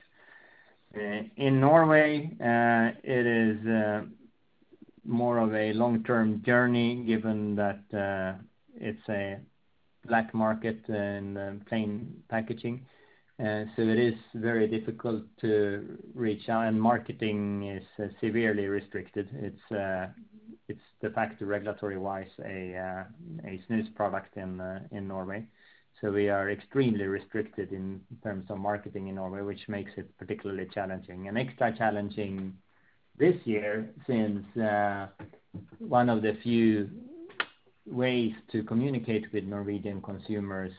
In Norway, it is more of a long-term journey given that it's a black market in plain packaging. It is very difficult to reach out, and marketing is severely restricted. It's de facto regulatory-wise a snus product in Norway. We are extremely restricted in terms of marketing in Norway, which makes it particularly challenging. Extra challenging this year since one of the few ways to communicate with Norwegian consumers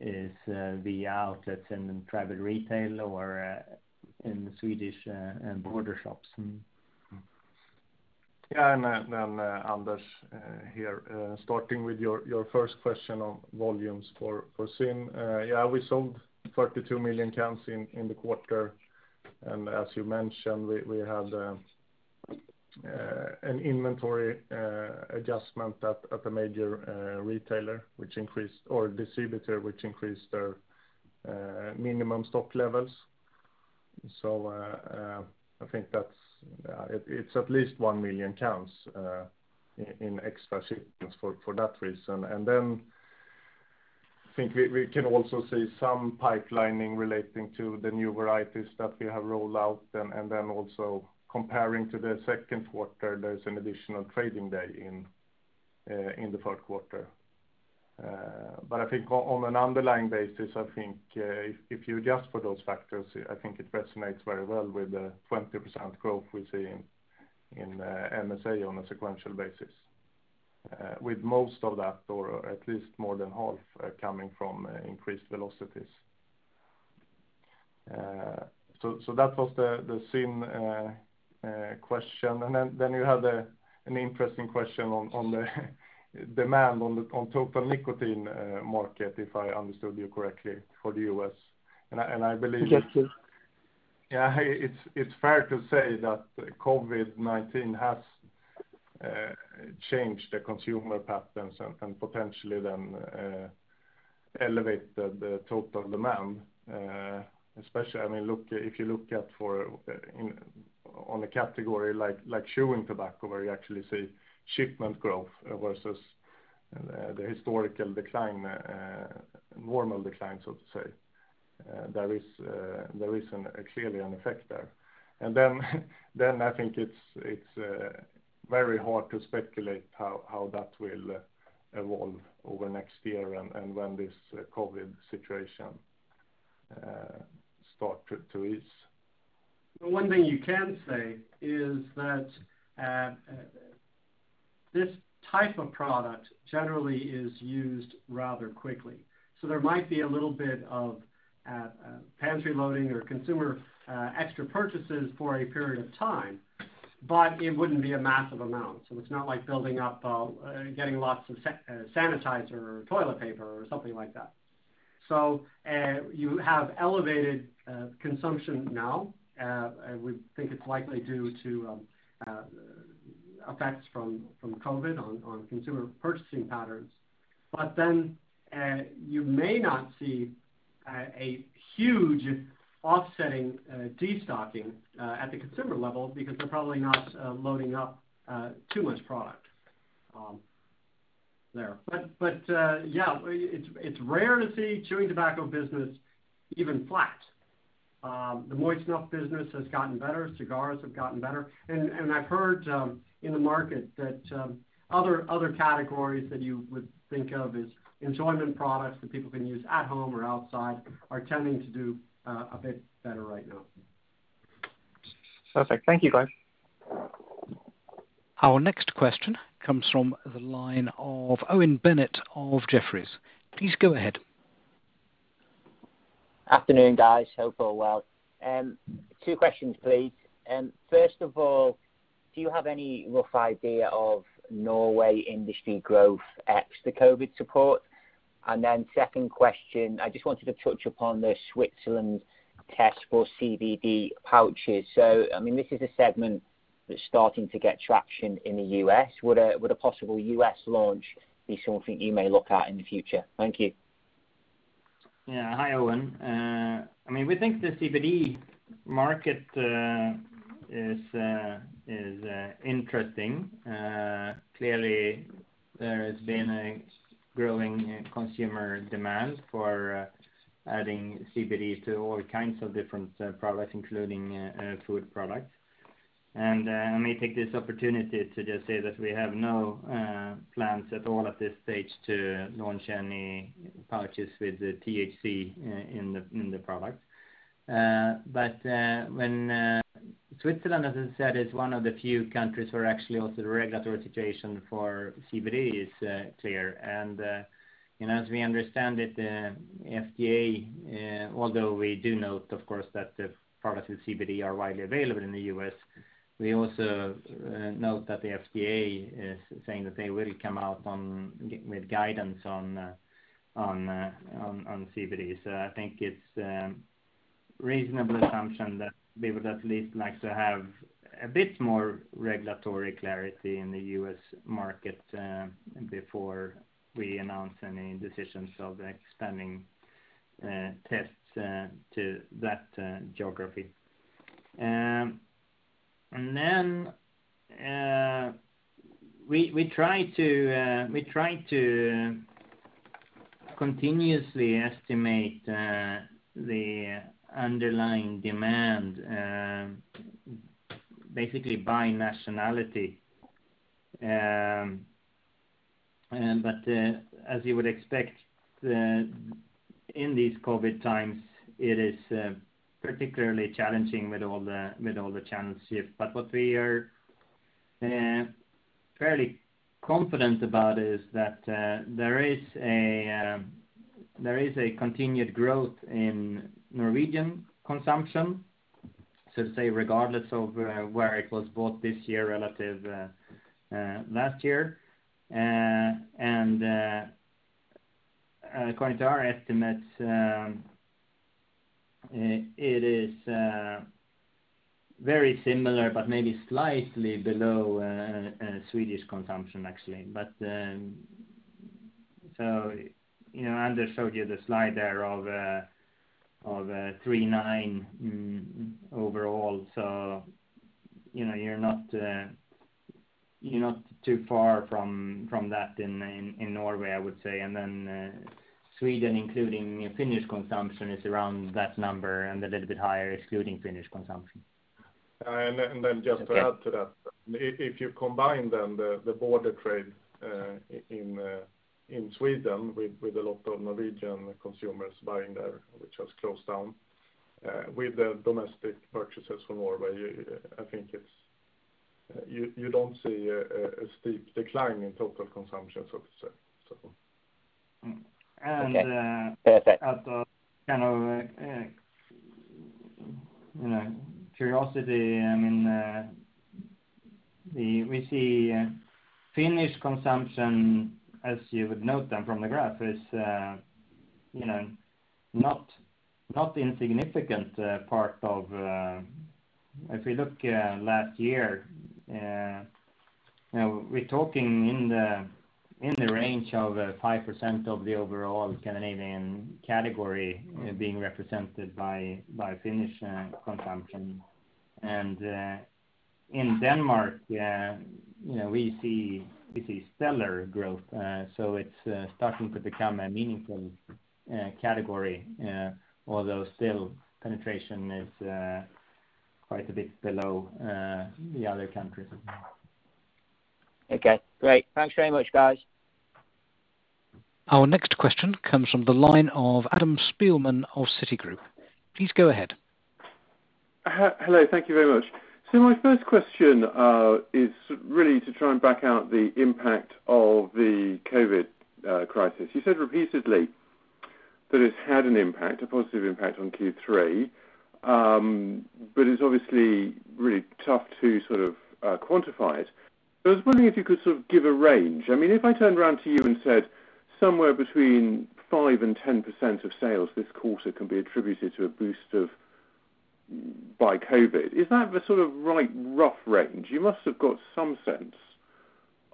is via outlets in private retail or in Swedish border shops. Yeah. Anders, here, starting with your first question of volumes for ZYN. Yeah, we sold 32 million cans in the quarter. As you mentioned, we had an inventory adjustment at a major retailer or distributor, which increased their minimum stock levels. I think that's it's at least 1 million cans in extra shipments for that reason. I think we can also see some pipelining relating to the new varieties that we have rolled out. Also comparing to the second quarter, there's an additional trading day in the third quarter. I think on an underlying basis, if you adjust for those factors, I think it resonates very well with the 20% growth we see in MSA on a sequential basis. With most of that or at least more than half, coming from increased velocities. That was the ZYN question. You had an interesting question on the demand on total nicotine market, if I understood you correctly, for the U.S. Yes, sir. Yeah, it's fair to say that COVID-19 has changed the consumer patterns and potentially then, elevated the total demand. Especially, I mean, look, if you look at for on a category like chewing tobacco, where you actually see shipment growth versus the historical decline, normal decline, so to say, there is, there is clearly an effect there. Then, then I think it's very hard to speculate how that will evolve over next year and when this COVID situation start to ease. One thing you can say is that this type of product generally is used rather quickly. There might be a little bit of pantry loading or consumer extra purchases for a period of time. It wouldn't be a massive amount. It's not like building up, getting lots of sanitizer or toilet paper or something like that. You have elevated consumption now. I would think it's likely due to effects from COVID on consumer purchasing patterns. You may not see a huge offsetting de-stocking at the consumer level because they're probably not loading up too much product there. Yeah, it's rare to see chewing tobacco business even flat. The moist snuff business has gotten better, cigars have gotten better. I've heard in the market that other categories that you would think of as enjoyment products that people can use at home or outside are tending to do a bit better right now. Perfect. Thank you, guys. Our next question comes from the line of Owen Bennett of Jefferies. Please go ahead. Afternoon, guys. Hope all well. Two questions please. First of all, do you have any rough idea of Norway industry growth ex the COVID support? Second question, I just wanted to touch upon the Switzerland test for CBD pouches. I mean, this is a segment that's starting to get traction in the U.S. Would a possible U.S. launch be something you may look at in the future? Thank you. Yeah. Hi, Owen. I mean, we think the CBD market is interesting. Clearly there has been a growing consumer demand for adding CBD to all kinds of different products, including food products. Let me take this opportunity to just say that we have no plans at all at this stage to launch any pouches with THC in the product. When, Switzerland, as I said, is one of the few countries where actually also the regulatory situation for CBD is clear. You know, as we understand it, FDA, although we do note of course that the products with CBD are widely available in the U.S., we also note that the FDA is saying that they will come out with guidance on CBD. I think it's reasonable assumption that we would at least like to have a bit more regulatory clarity in the U.S. market before we announce any decisions of expanding tests to that geography. We try to continuously estimate the underlying demand basically by nationality. As you would expect, in these COVID times, it is particularly challenging with all the, with all the channel shift. What we are fairly confident about is that there is a continued growth in Norwegian consumption, so to say, regardless of where it was bought this year relative last year. According to our estimates, it is very similar but maybe slightly below Swedish consumption actually. You know, Anders showed you the slide there of 39 overall. You know, you're not too far from that in Norway, I would say. Sweden, including Finnish consumption, is around that number and a little bit higher excluding Finnish consumption. Then just to add to that. Okay. If you combine the border trade in Sweden with a lot of Norwegian consumers buying there, which has closed down, with the domestic purchases from Norway, I think it's you don't see a steep decline in total consumption as of say. Okay. Perfect. Out of kind of, you know, curiosity, I mean, we see Finnish consumption, as you would note then from the graph, is, you know, not insignificant part of, if we look last year, you know, we're talking in the range of 5% of the overall Scandinavian category, being represented by Finnish consumption. In Denmark, you know, we see stellar growth. It's starting to become a meaningful category. Although still penetration is quite a bit below the other countries. Okay, great. Thanks very much, guys. Our next question comes from the line of Adam Spielman of Citigroup. Please go ahead. Hello. Thank you very much. My first question is really to try and back out the impact of the COVID crisis. You said repeatedly that it's had an impact, a positive impact on Q3. But it's obviously really tough to sort of quantify it. I was wondering if you could sort of give a range. I mean, if I turned around to you and said somewhere between 5%-10% of sales this quarter can be attributed to a boost by COVID, is that the sort of right rough range? You must have got some sense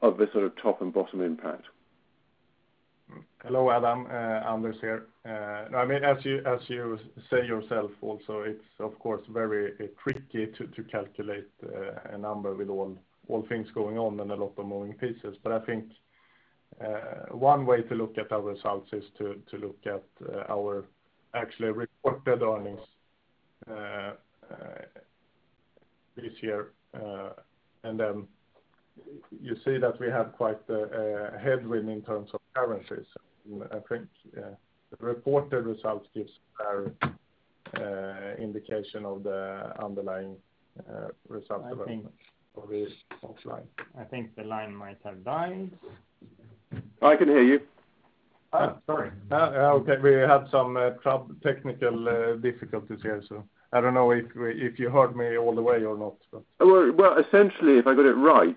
of the sort of top and bottom impact. Hello, Adam. Anders here. I mean, as you say yourself also, it is of course, very tricky to calculate a number with all things going on and a lot of moving pieces. I think one way to look at our results is to look at our actually reported earnings this year. You see that we have quite a headwind in terms of currencies. I think the reported results gives a fair indication of the underlying result development. I think- -for this I think the line might have died. I can hear you. Oh, sorry. Okay. We had some technical difficulties here, so I don't know if you heard me all the way or not. Well, essentially, if I got it right,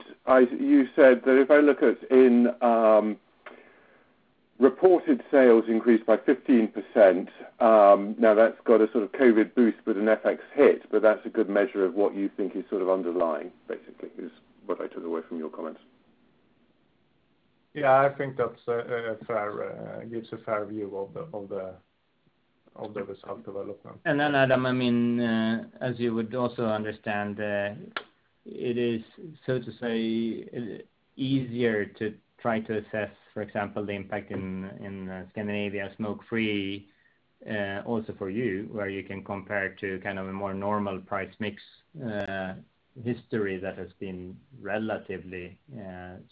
You said that if I look at in reported sales increased by 15%, now that's got a sort of COVID boost with an FX hit, but that's a good measure of what you think is sort of underlying basically, is what I took away from your comments. Yeah, I think that's a fair, gives a fair view of the result development. Adam, I mean, as you would also understand, it is so to say easier to try to assess, for example, the impact in Scandinavia smokefree, also for you, where you can compare to kind of a more normal price mix history that has been relatively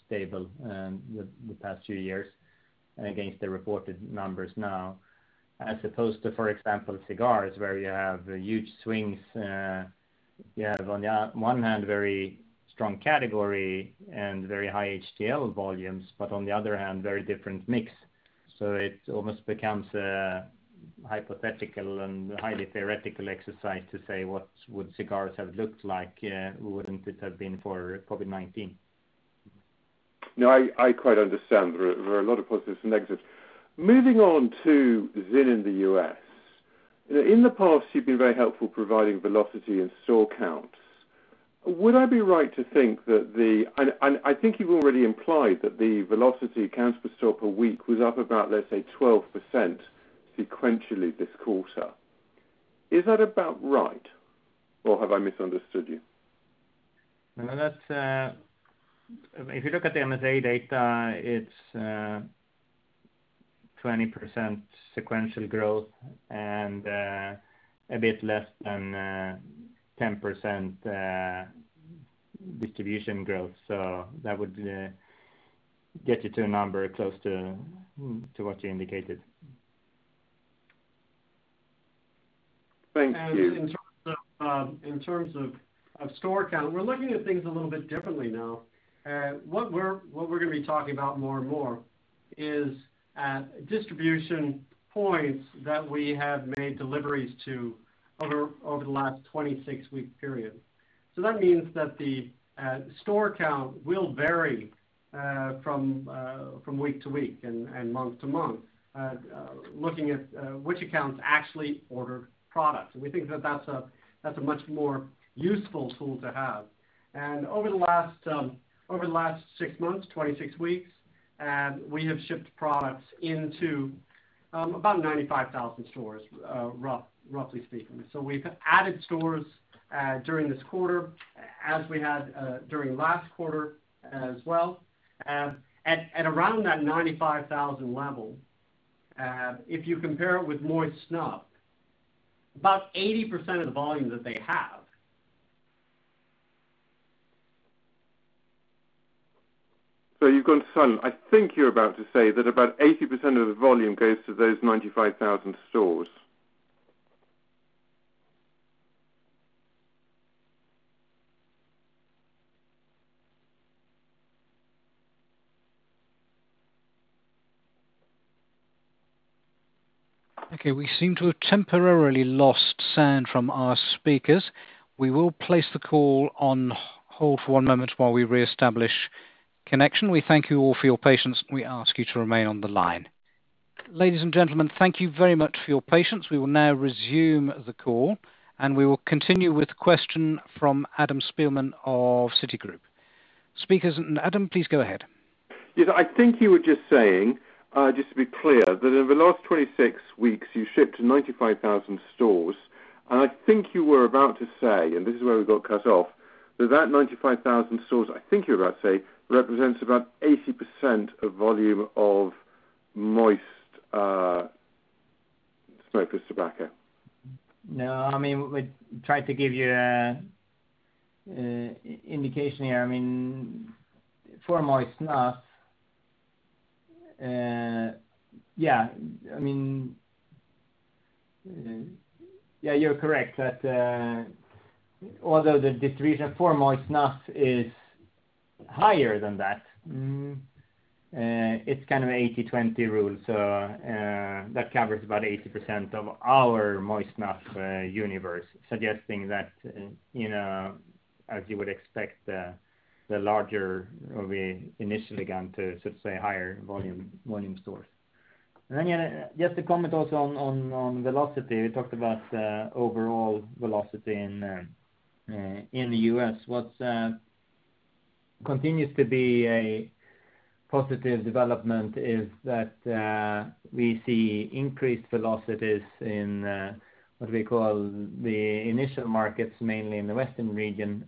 stable in the past two years and against the reported numbers now, as opposed to, for example, cigars, where you have huge swings. You have on the one hand, very strong category and very high HTL volumes, but on the other hand, very different mix. It almost becomes a hypothetical and highly theoretical exercise to say what would cigars have looked like, wouldn't it have been for COVID-19? No, I quite understand. There are a lot of positives and negatives. Moving on to ZYN in the U.S. In the past, you've been very helpful providing velocity and store counts. Would I be right to think that I think you've already implied that the velocity counts per store per week was up about, let's say, 12% sequentially this quarter. Is that about right or have I misunderstood you? No, that's If you look at the MSA data, it's 20% sequential growth and a bit less than 10% distribution growth. That would get you to a number close to what you indicated. Thank you. In terms of store count, we're looking at things a little bit differently now. What we're going to be talking about more and more is at distribution points that we have made deliveries to over the last 26-week period. That means that the store count will vary from week to week and month to month, looking at which accounts actually order products. We think that's a much more useful tool to have. Over the last six months, 26 weeks, we have shipped products into about 95,000 stores, roughly speaking. We've added stores during this quarter, as we had during last quarter as well. At around that 95,000 level, if you compare it with moist snuff, about 80% of the volume. I think you're about to say that about 80% of the volume goes to those 95,000 stores. Okay, we seem to have temporarily lost sound from our speakers. We will place the call on hold for one moment while we reestablish connection. We thank you all for your patience. We ask you to remain on the line. Ladies and gentlemen, thank you very much for your patience. We will now resume the call, and we will continue with the question from Adam Spielman of Citigroup. Speakers and Adam, please go ahead. Yeah. I think you were just saying, just to be clear, that over the last 26 weeks, you shipped to 95,000 stores. I think you were about to say, and this is where we got cut off, that that 95,000 stores, I think you were about to say, represents about 80% of volume of moist smokeless tobacco. No, I mean, we tried to give you a indication here. I mean, for moist snuff, Yeah, you're correct that, although the distribution for moist snuff is higher than that. It's kind of 80/20 rule. That covers about 80% of our moist snuff universe, suggesting that, you know, as you would expect, the larger will be initially gone to, sort of say, higher volume stores. Yeah, just to comment also on velocity. We talked about overall velocity in the U.S. What continues to be a positive development is that we see increased velocities in what we call the initial markets, mainly in the Western region,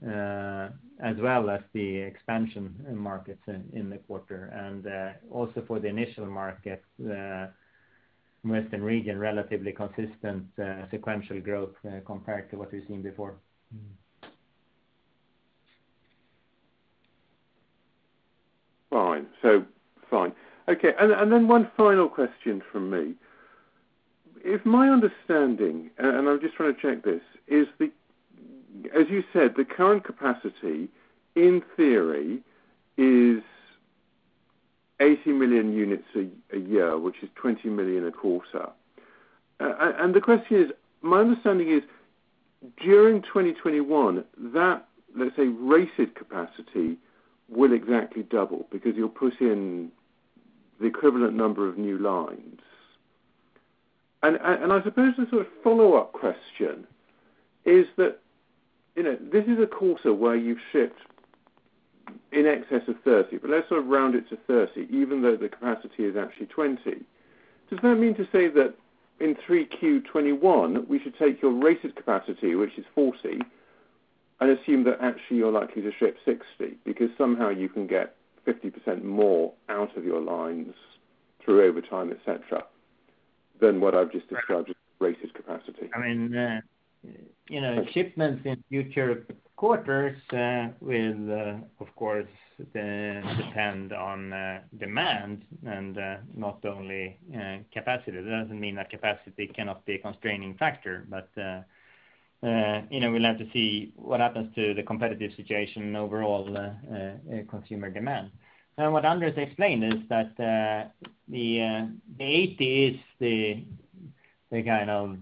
as well as the expansion in markets in the quarter. Also for the initial markets, Western region, relatively consistent sequential growth compared to what we've seen before. Fine. Okay, one final question from me. If my understanding, I'm just trying to check this, is, as you said, the current capacity, in theory, is 80 million units a year, which is 20 million a quarter. The question is, my understanding is during 2021, that, let's say, rated capacity will exactly double because you're putting the equivalent number of new lines. I suppose the sort of follow-up question is that, you know, this is a quarter where you've shipped in excess of 30 million, but let's sort of round it to 30 million, even though the capacity is actually 20 million. Does that mean to say that in 3Q 2021, we should take your rated capacity, which is 40 million, and assume that actually you're likely to ship 60 million because somehow you can get 50% more out of your lines through overtime, et cetera, than what I've just described as rated capacity? I mean, you know, shipments in future quarters will, of course, depend on demand and not only capacity. That doesn't mean that capacity cannot be a constraining factor. But, you know, we'll have to see what happens to the competitive situation and overall consumer demand. Now, what Anders explained is that the 80 million is the kind of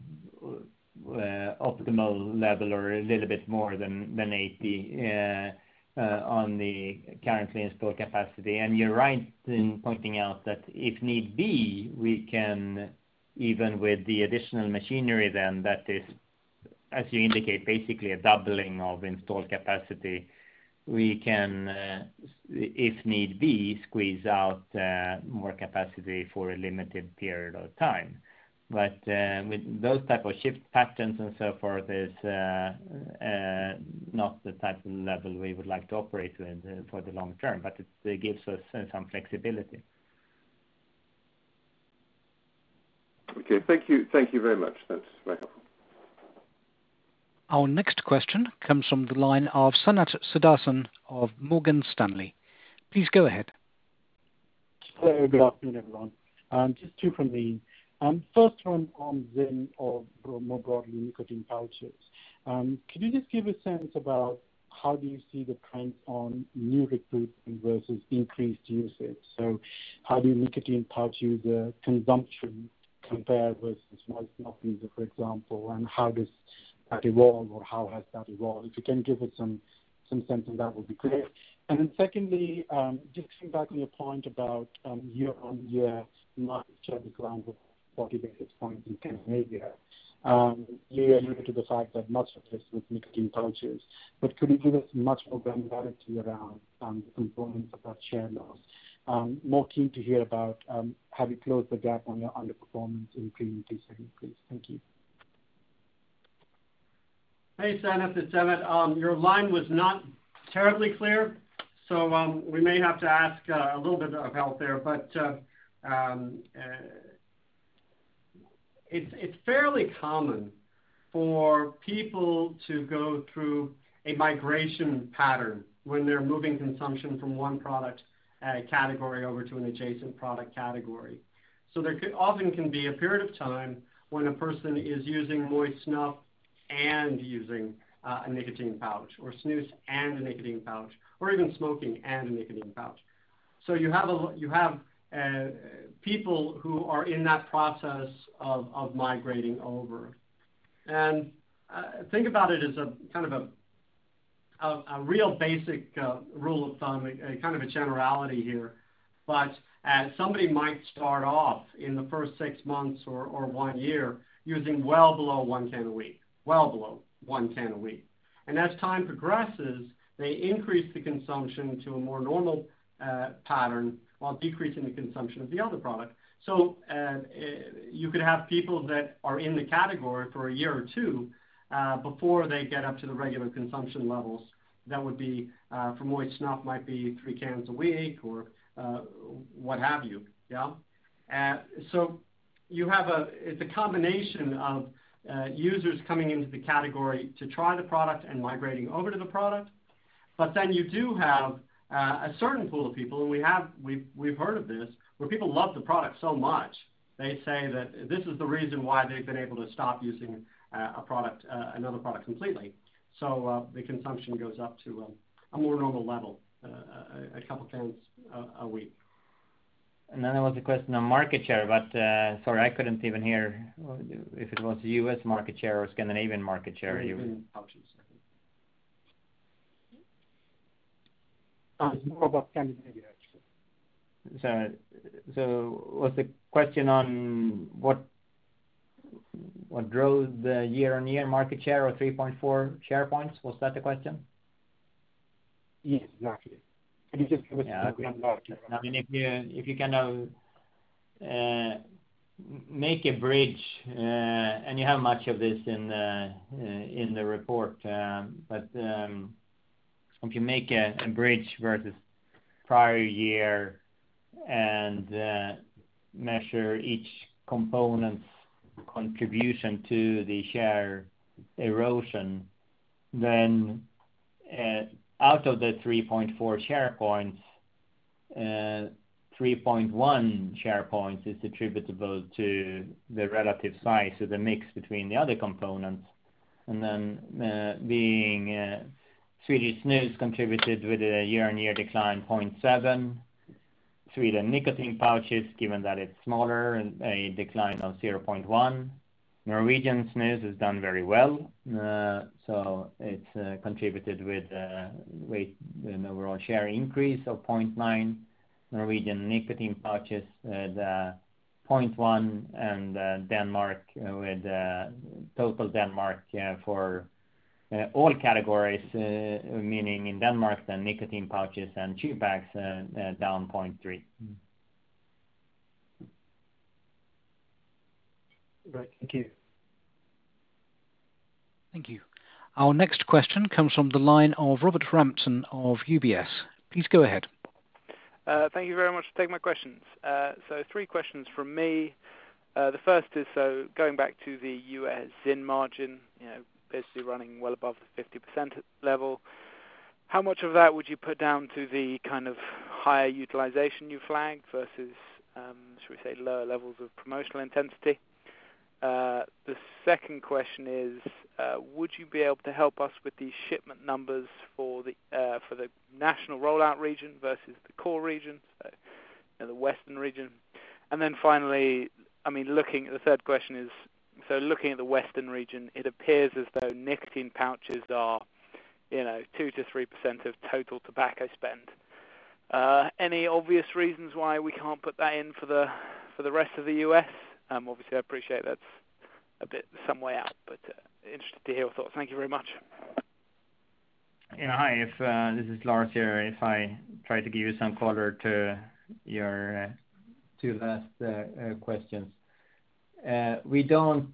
optimal level or a little bit more than 80 million on the currently installed capacity. And you're right in pointing out that if need be, we can, even with the additional machinery then that is, as you indicate, basically a doubling of installed capacity, we can, if need be, squeeze out more capacity for a limited period of time. With those type of shift patterns and so forth is not the type of level we would like to operate with for the long term, but it gives us some flexibility. Okay. Thank you. Thank you very much. That's very helpful. Our next question comes from the line of Sanath Sudarsan of Morgan Stanley. Please go ahead. Hello. Good afternoon, everyone. Just two from me. First one on ZYN or more broadly, nicotine pouches. Could you just give a sense about how do you see the trends on new recruitment versus increased usage? How do nicotine pouch user consumption compare versus moist snuff user, for example, and how does that evolve or how has that evolved? If you can give us some sense on that would be great. Then secondly, just coming back on your point about year-on-year market share decline of 40 basis points in Scandinavia, you alluded to the fact that much of this was nicotine pouches, could you give us much more granularity around the components of that share loss? More keen to hear about how you close the gap on your underperformance in Q2, please. Thank you. Hey, Sanath, it's Emmett. Your line was not terribly clear, so we may have to ask a little bit of help there. It's fairly common for people to go through a migration pattern when they're moving consumption from one product category over to an adjacent product category. There often can be a period of time when a person is using moist snuff and using a nicotine pouch or snus and a nicotine pouch or even smoking and a nicotine pouch. You have people who are in that process of migrating over. Think about it as a real basic rule of thumb, a generality here. Somebody might start off in the first six months or one year using well below one can a week. Well below one can a week. As time progresses, they increase the consumption to a more normal pattern while decreasing the consumption of the other product. You could have people that are in the category for a year or two before they get up to the regular consumption levels. That would be for moist snuff might be three cans a week or what have you. Yeah? You have It's a combination of users coming into the category to try the product and migrating over to the product. You do have a certain pool of people, and we've heard of this, where people love the product so much they say that this is the reason why they've been able to stop using a product, another product completely. The consumption goes up to a more normal level, a couple times a week. There was a question on market share, sorry, I couldn't even hear if it was U.S. market share or Scandinavian market share. It was pouches. It's more about Scandinavia, actually. Was the question on what drove the year-on-year market share or 3.4 share points? Was that the question? Yes, exactly. Can you just give us a quick run-down? Yeah. I mean, if you can make a bridge, you have much of this in the report, if you make a bridge versus prior year and measure each component's contribution to the share erosion, then, out of the 3.4 share points, 3.1 share points is attributable to the relative size of the mix between the other components, then, being, Swedish snus contributed with a year-on-year decline 0.7%. Sweden nicotine pouches, given that it's smaller, a decline of 0.1%. Norwegian snus has done very well, it's contributed with an overall share increase of 0.9%. Norwegian nicotine pouches at 0.1% and Denmark with total Denmark for all categories, meaning in Denmark, the nicotine pouches and chew bags down 0.3%. Right. Thank you. Thank you. Our next question comes from the line of Robert Rampton of UBS. Please go ahead. Thank you very much for taking my questions. Three questions from me. The first is, so going back to the U.S. ZYN margin, you know, basically running well above the 50% level, how much of that would you put down to the kind of higher utilization you flagged versus, should we say, lower levels of promotional intensity? The second question is, would you be able to help us with the shipment numbers for the national rollout region versus the core region, you know, the western region? Finally, I mean, the third question is, so looking at the western region, it appears as though nicotine pouches are, you know, 2%-3% of total tobacco spend. Any obvious reasons why we can't put that in for the rest of the U.S.? Obviously, I appreciate that's a bit some way out, but interested to hear your thoughts. Thank you very much. Yeah, hi. If this is Lars here. If I try to give you some color to your two last questions. We don't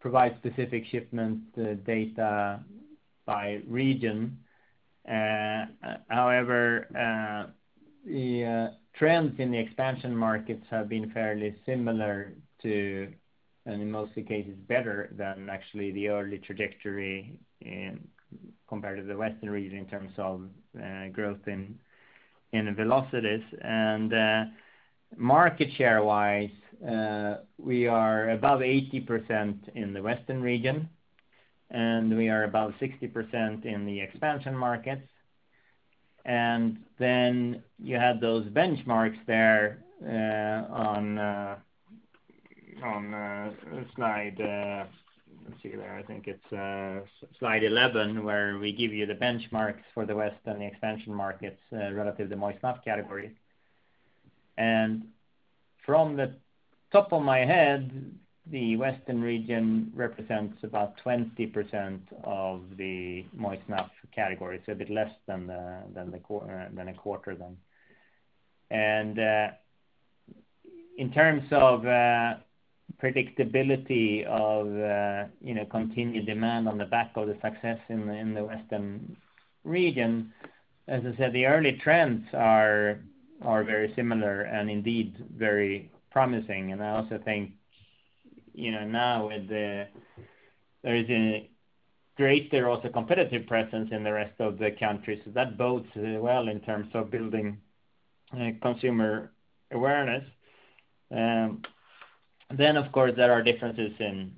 provide specific shipment data by region. However, the trends in the expansion markets have been fairly similar to, and in most of the cases, better than actually the early trajectory in compared to the western region in terms of growth in velocities. Market share-wise, we are above 80% in the western region, and we are about 60% in the expansion markets. You have those benchmarks there on on slide, let's see there. I think it's slide 11, where we give you the benchmarks for the west and the expansion markets relative to moist snuff category. From the top of my head, the western region represents about 20% of the moist snuff category, so a bit less than the quarter then. In terms of predictability of, you know, continued demand on the back of the success in the western region, as I said, the early trends are very similar and indeed very promising. I also think, you know, now with the there is a greater also competitive presence in the rest of the countries. That bodes well in terms of building consumer awareness. Of course, there are differences in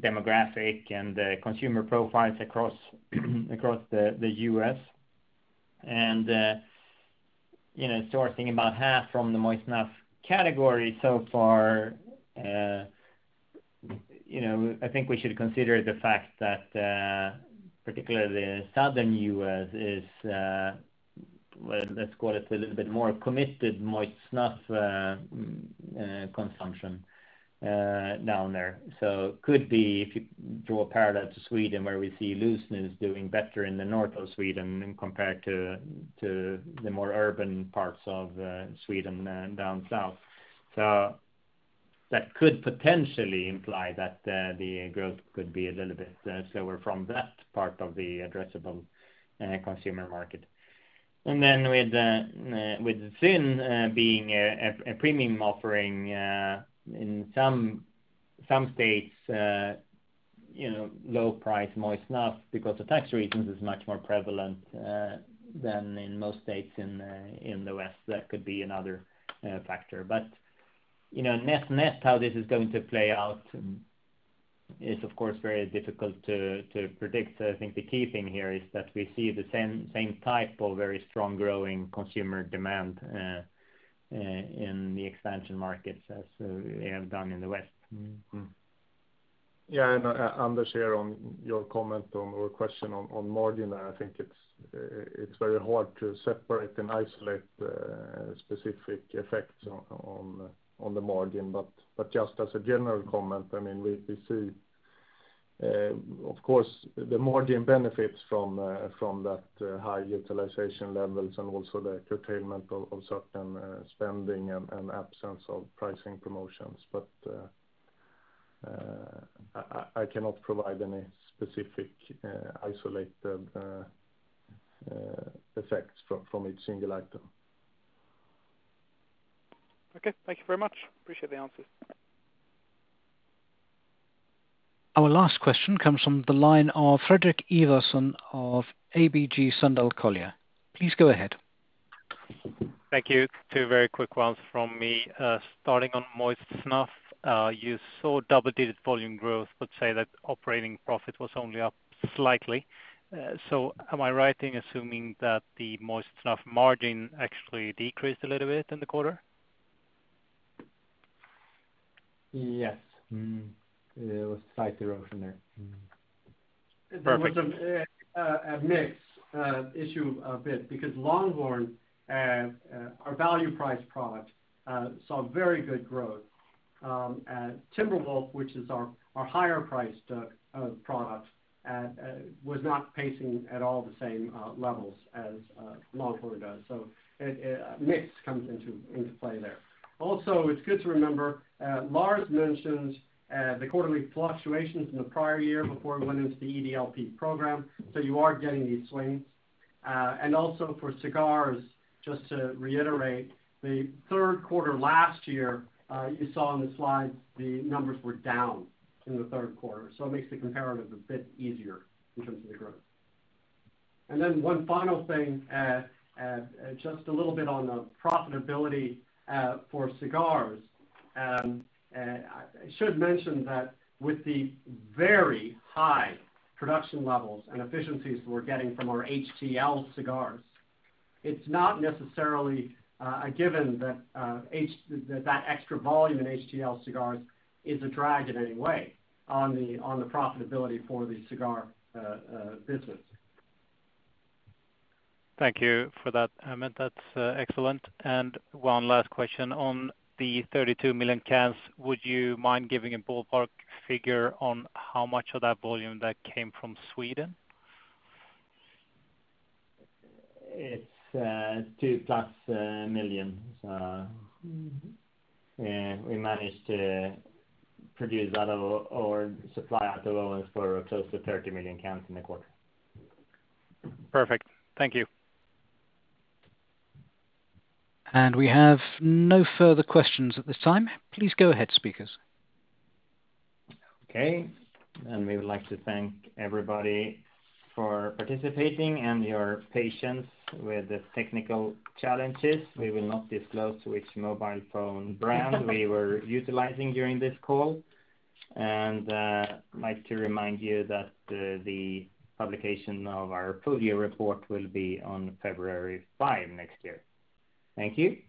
demographic and consumer profiles across the U.S. You know, sourcing about half from the moist snuff category so far, you know, I think we should consider the fact that, particularly the Southern U.S. is, well, let's call it a little bit more committed moist snuff consumption down there. Could be, if you draw a parallel to Sweden, where we see loose snus doing better in the north of Sweden than compared to the more urban parts of Sweden and down south. That could potentially imply that the growth could be a little bit slower from that part of the addressable consumer market. With ZYN being a premium offering in some states, you know, low price moist snuff because of tax reasons is much more prevalent than in most states in the west. That could be another factor. You know, net how this is going to play out is of course very difficult to predict. I think the key thing here is that we see the same type of very strong growing consumer demand in the expansion markets as they have done in the west. Anders, here on your comment on or question on margin, I think it's very hard to separate and isolate specific effects on the margin. Just as a general comment, I mean, we see, of course the margin benefits from that high utilization levels and also the curtailment of certain spending and absence of pricing promotions. I cannot provide any specific, isolated effects from each single item. Okay. Thank you very much. Appreciate the answers. Our last question comes from the line of Fredrik Ivarsson of ABG Sundal Collier. Please go ahead. Thank you. Two very quick ones from me. Starting on moist snuff, you saw double-digit volume growth, but say that operating profit was only up slightly. Am I right in assuming that the moist snuff margin actually decreased a little bit in the quarter? Yes. It was slightly lower from there. Perfect. There was a mix issue a bit because Longhorn, our value price product, saw very good growth. Timber Wolf, which is our higher priced product, was not pacing at all the same levels as Longhorn does. Mix comes into play there. Also, it's good to remember, Lars mentioned the quarterly fluctuations in the prior year before we went into the EDLP program, you are getting these swings. Also for cigars, just to reiterate, the third quarter last year, you saw on the slide, the numbers were down in the third quarter. It makes the comparative a bit easier in terms of the growth. One final thing, just a little bit on the profitability for cigars. I should mention that with the very high production levels and efficiencies we're getting from our HTL cigars, it's not necessarily a given that that extra volume in HTL cigars is a drag in any way on the profitability for the cigar business. Thank you for that, Emmett. That's excellent. One last question. On the 32 million cans, would you mind giving a ballpark figure on how much of that volume that came from Sweden? It's 2 million-plus. Yeah, we managed to produce out of or supply out of Owensboro for close to 30 million cans in the quarter. Perfect. Thank you. We have no further questions at this time. Please go ahead, speakers. Okay. We would like to thank everybody for participating and your patience with the technical challenges. We will not disclose which mobile phone we were utilizing during this call. We would like to remind you that the publication of our full year report will be on February 5 next year. Thank you.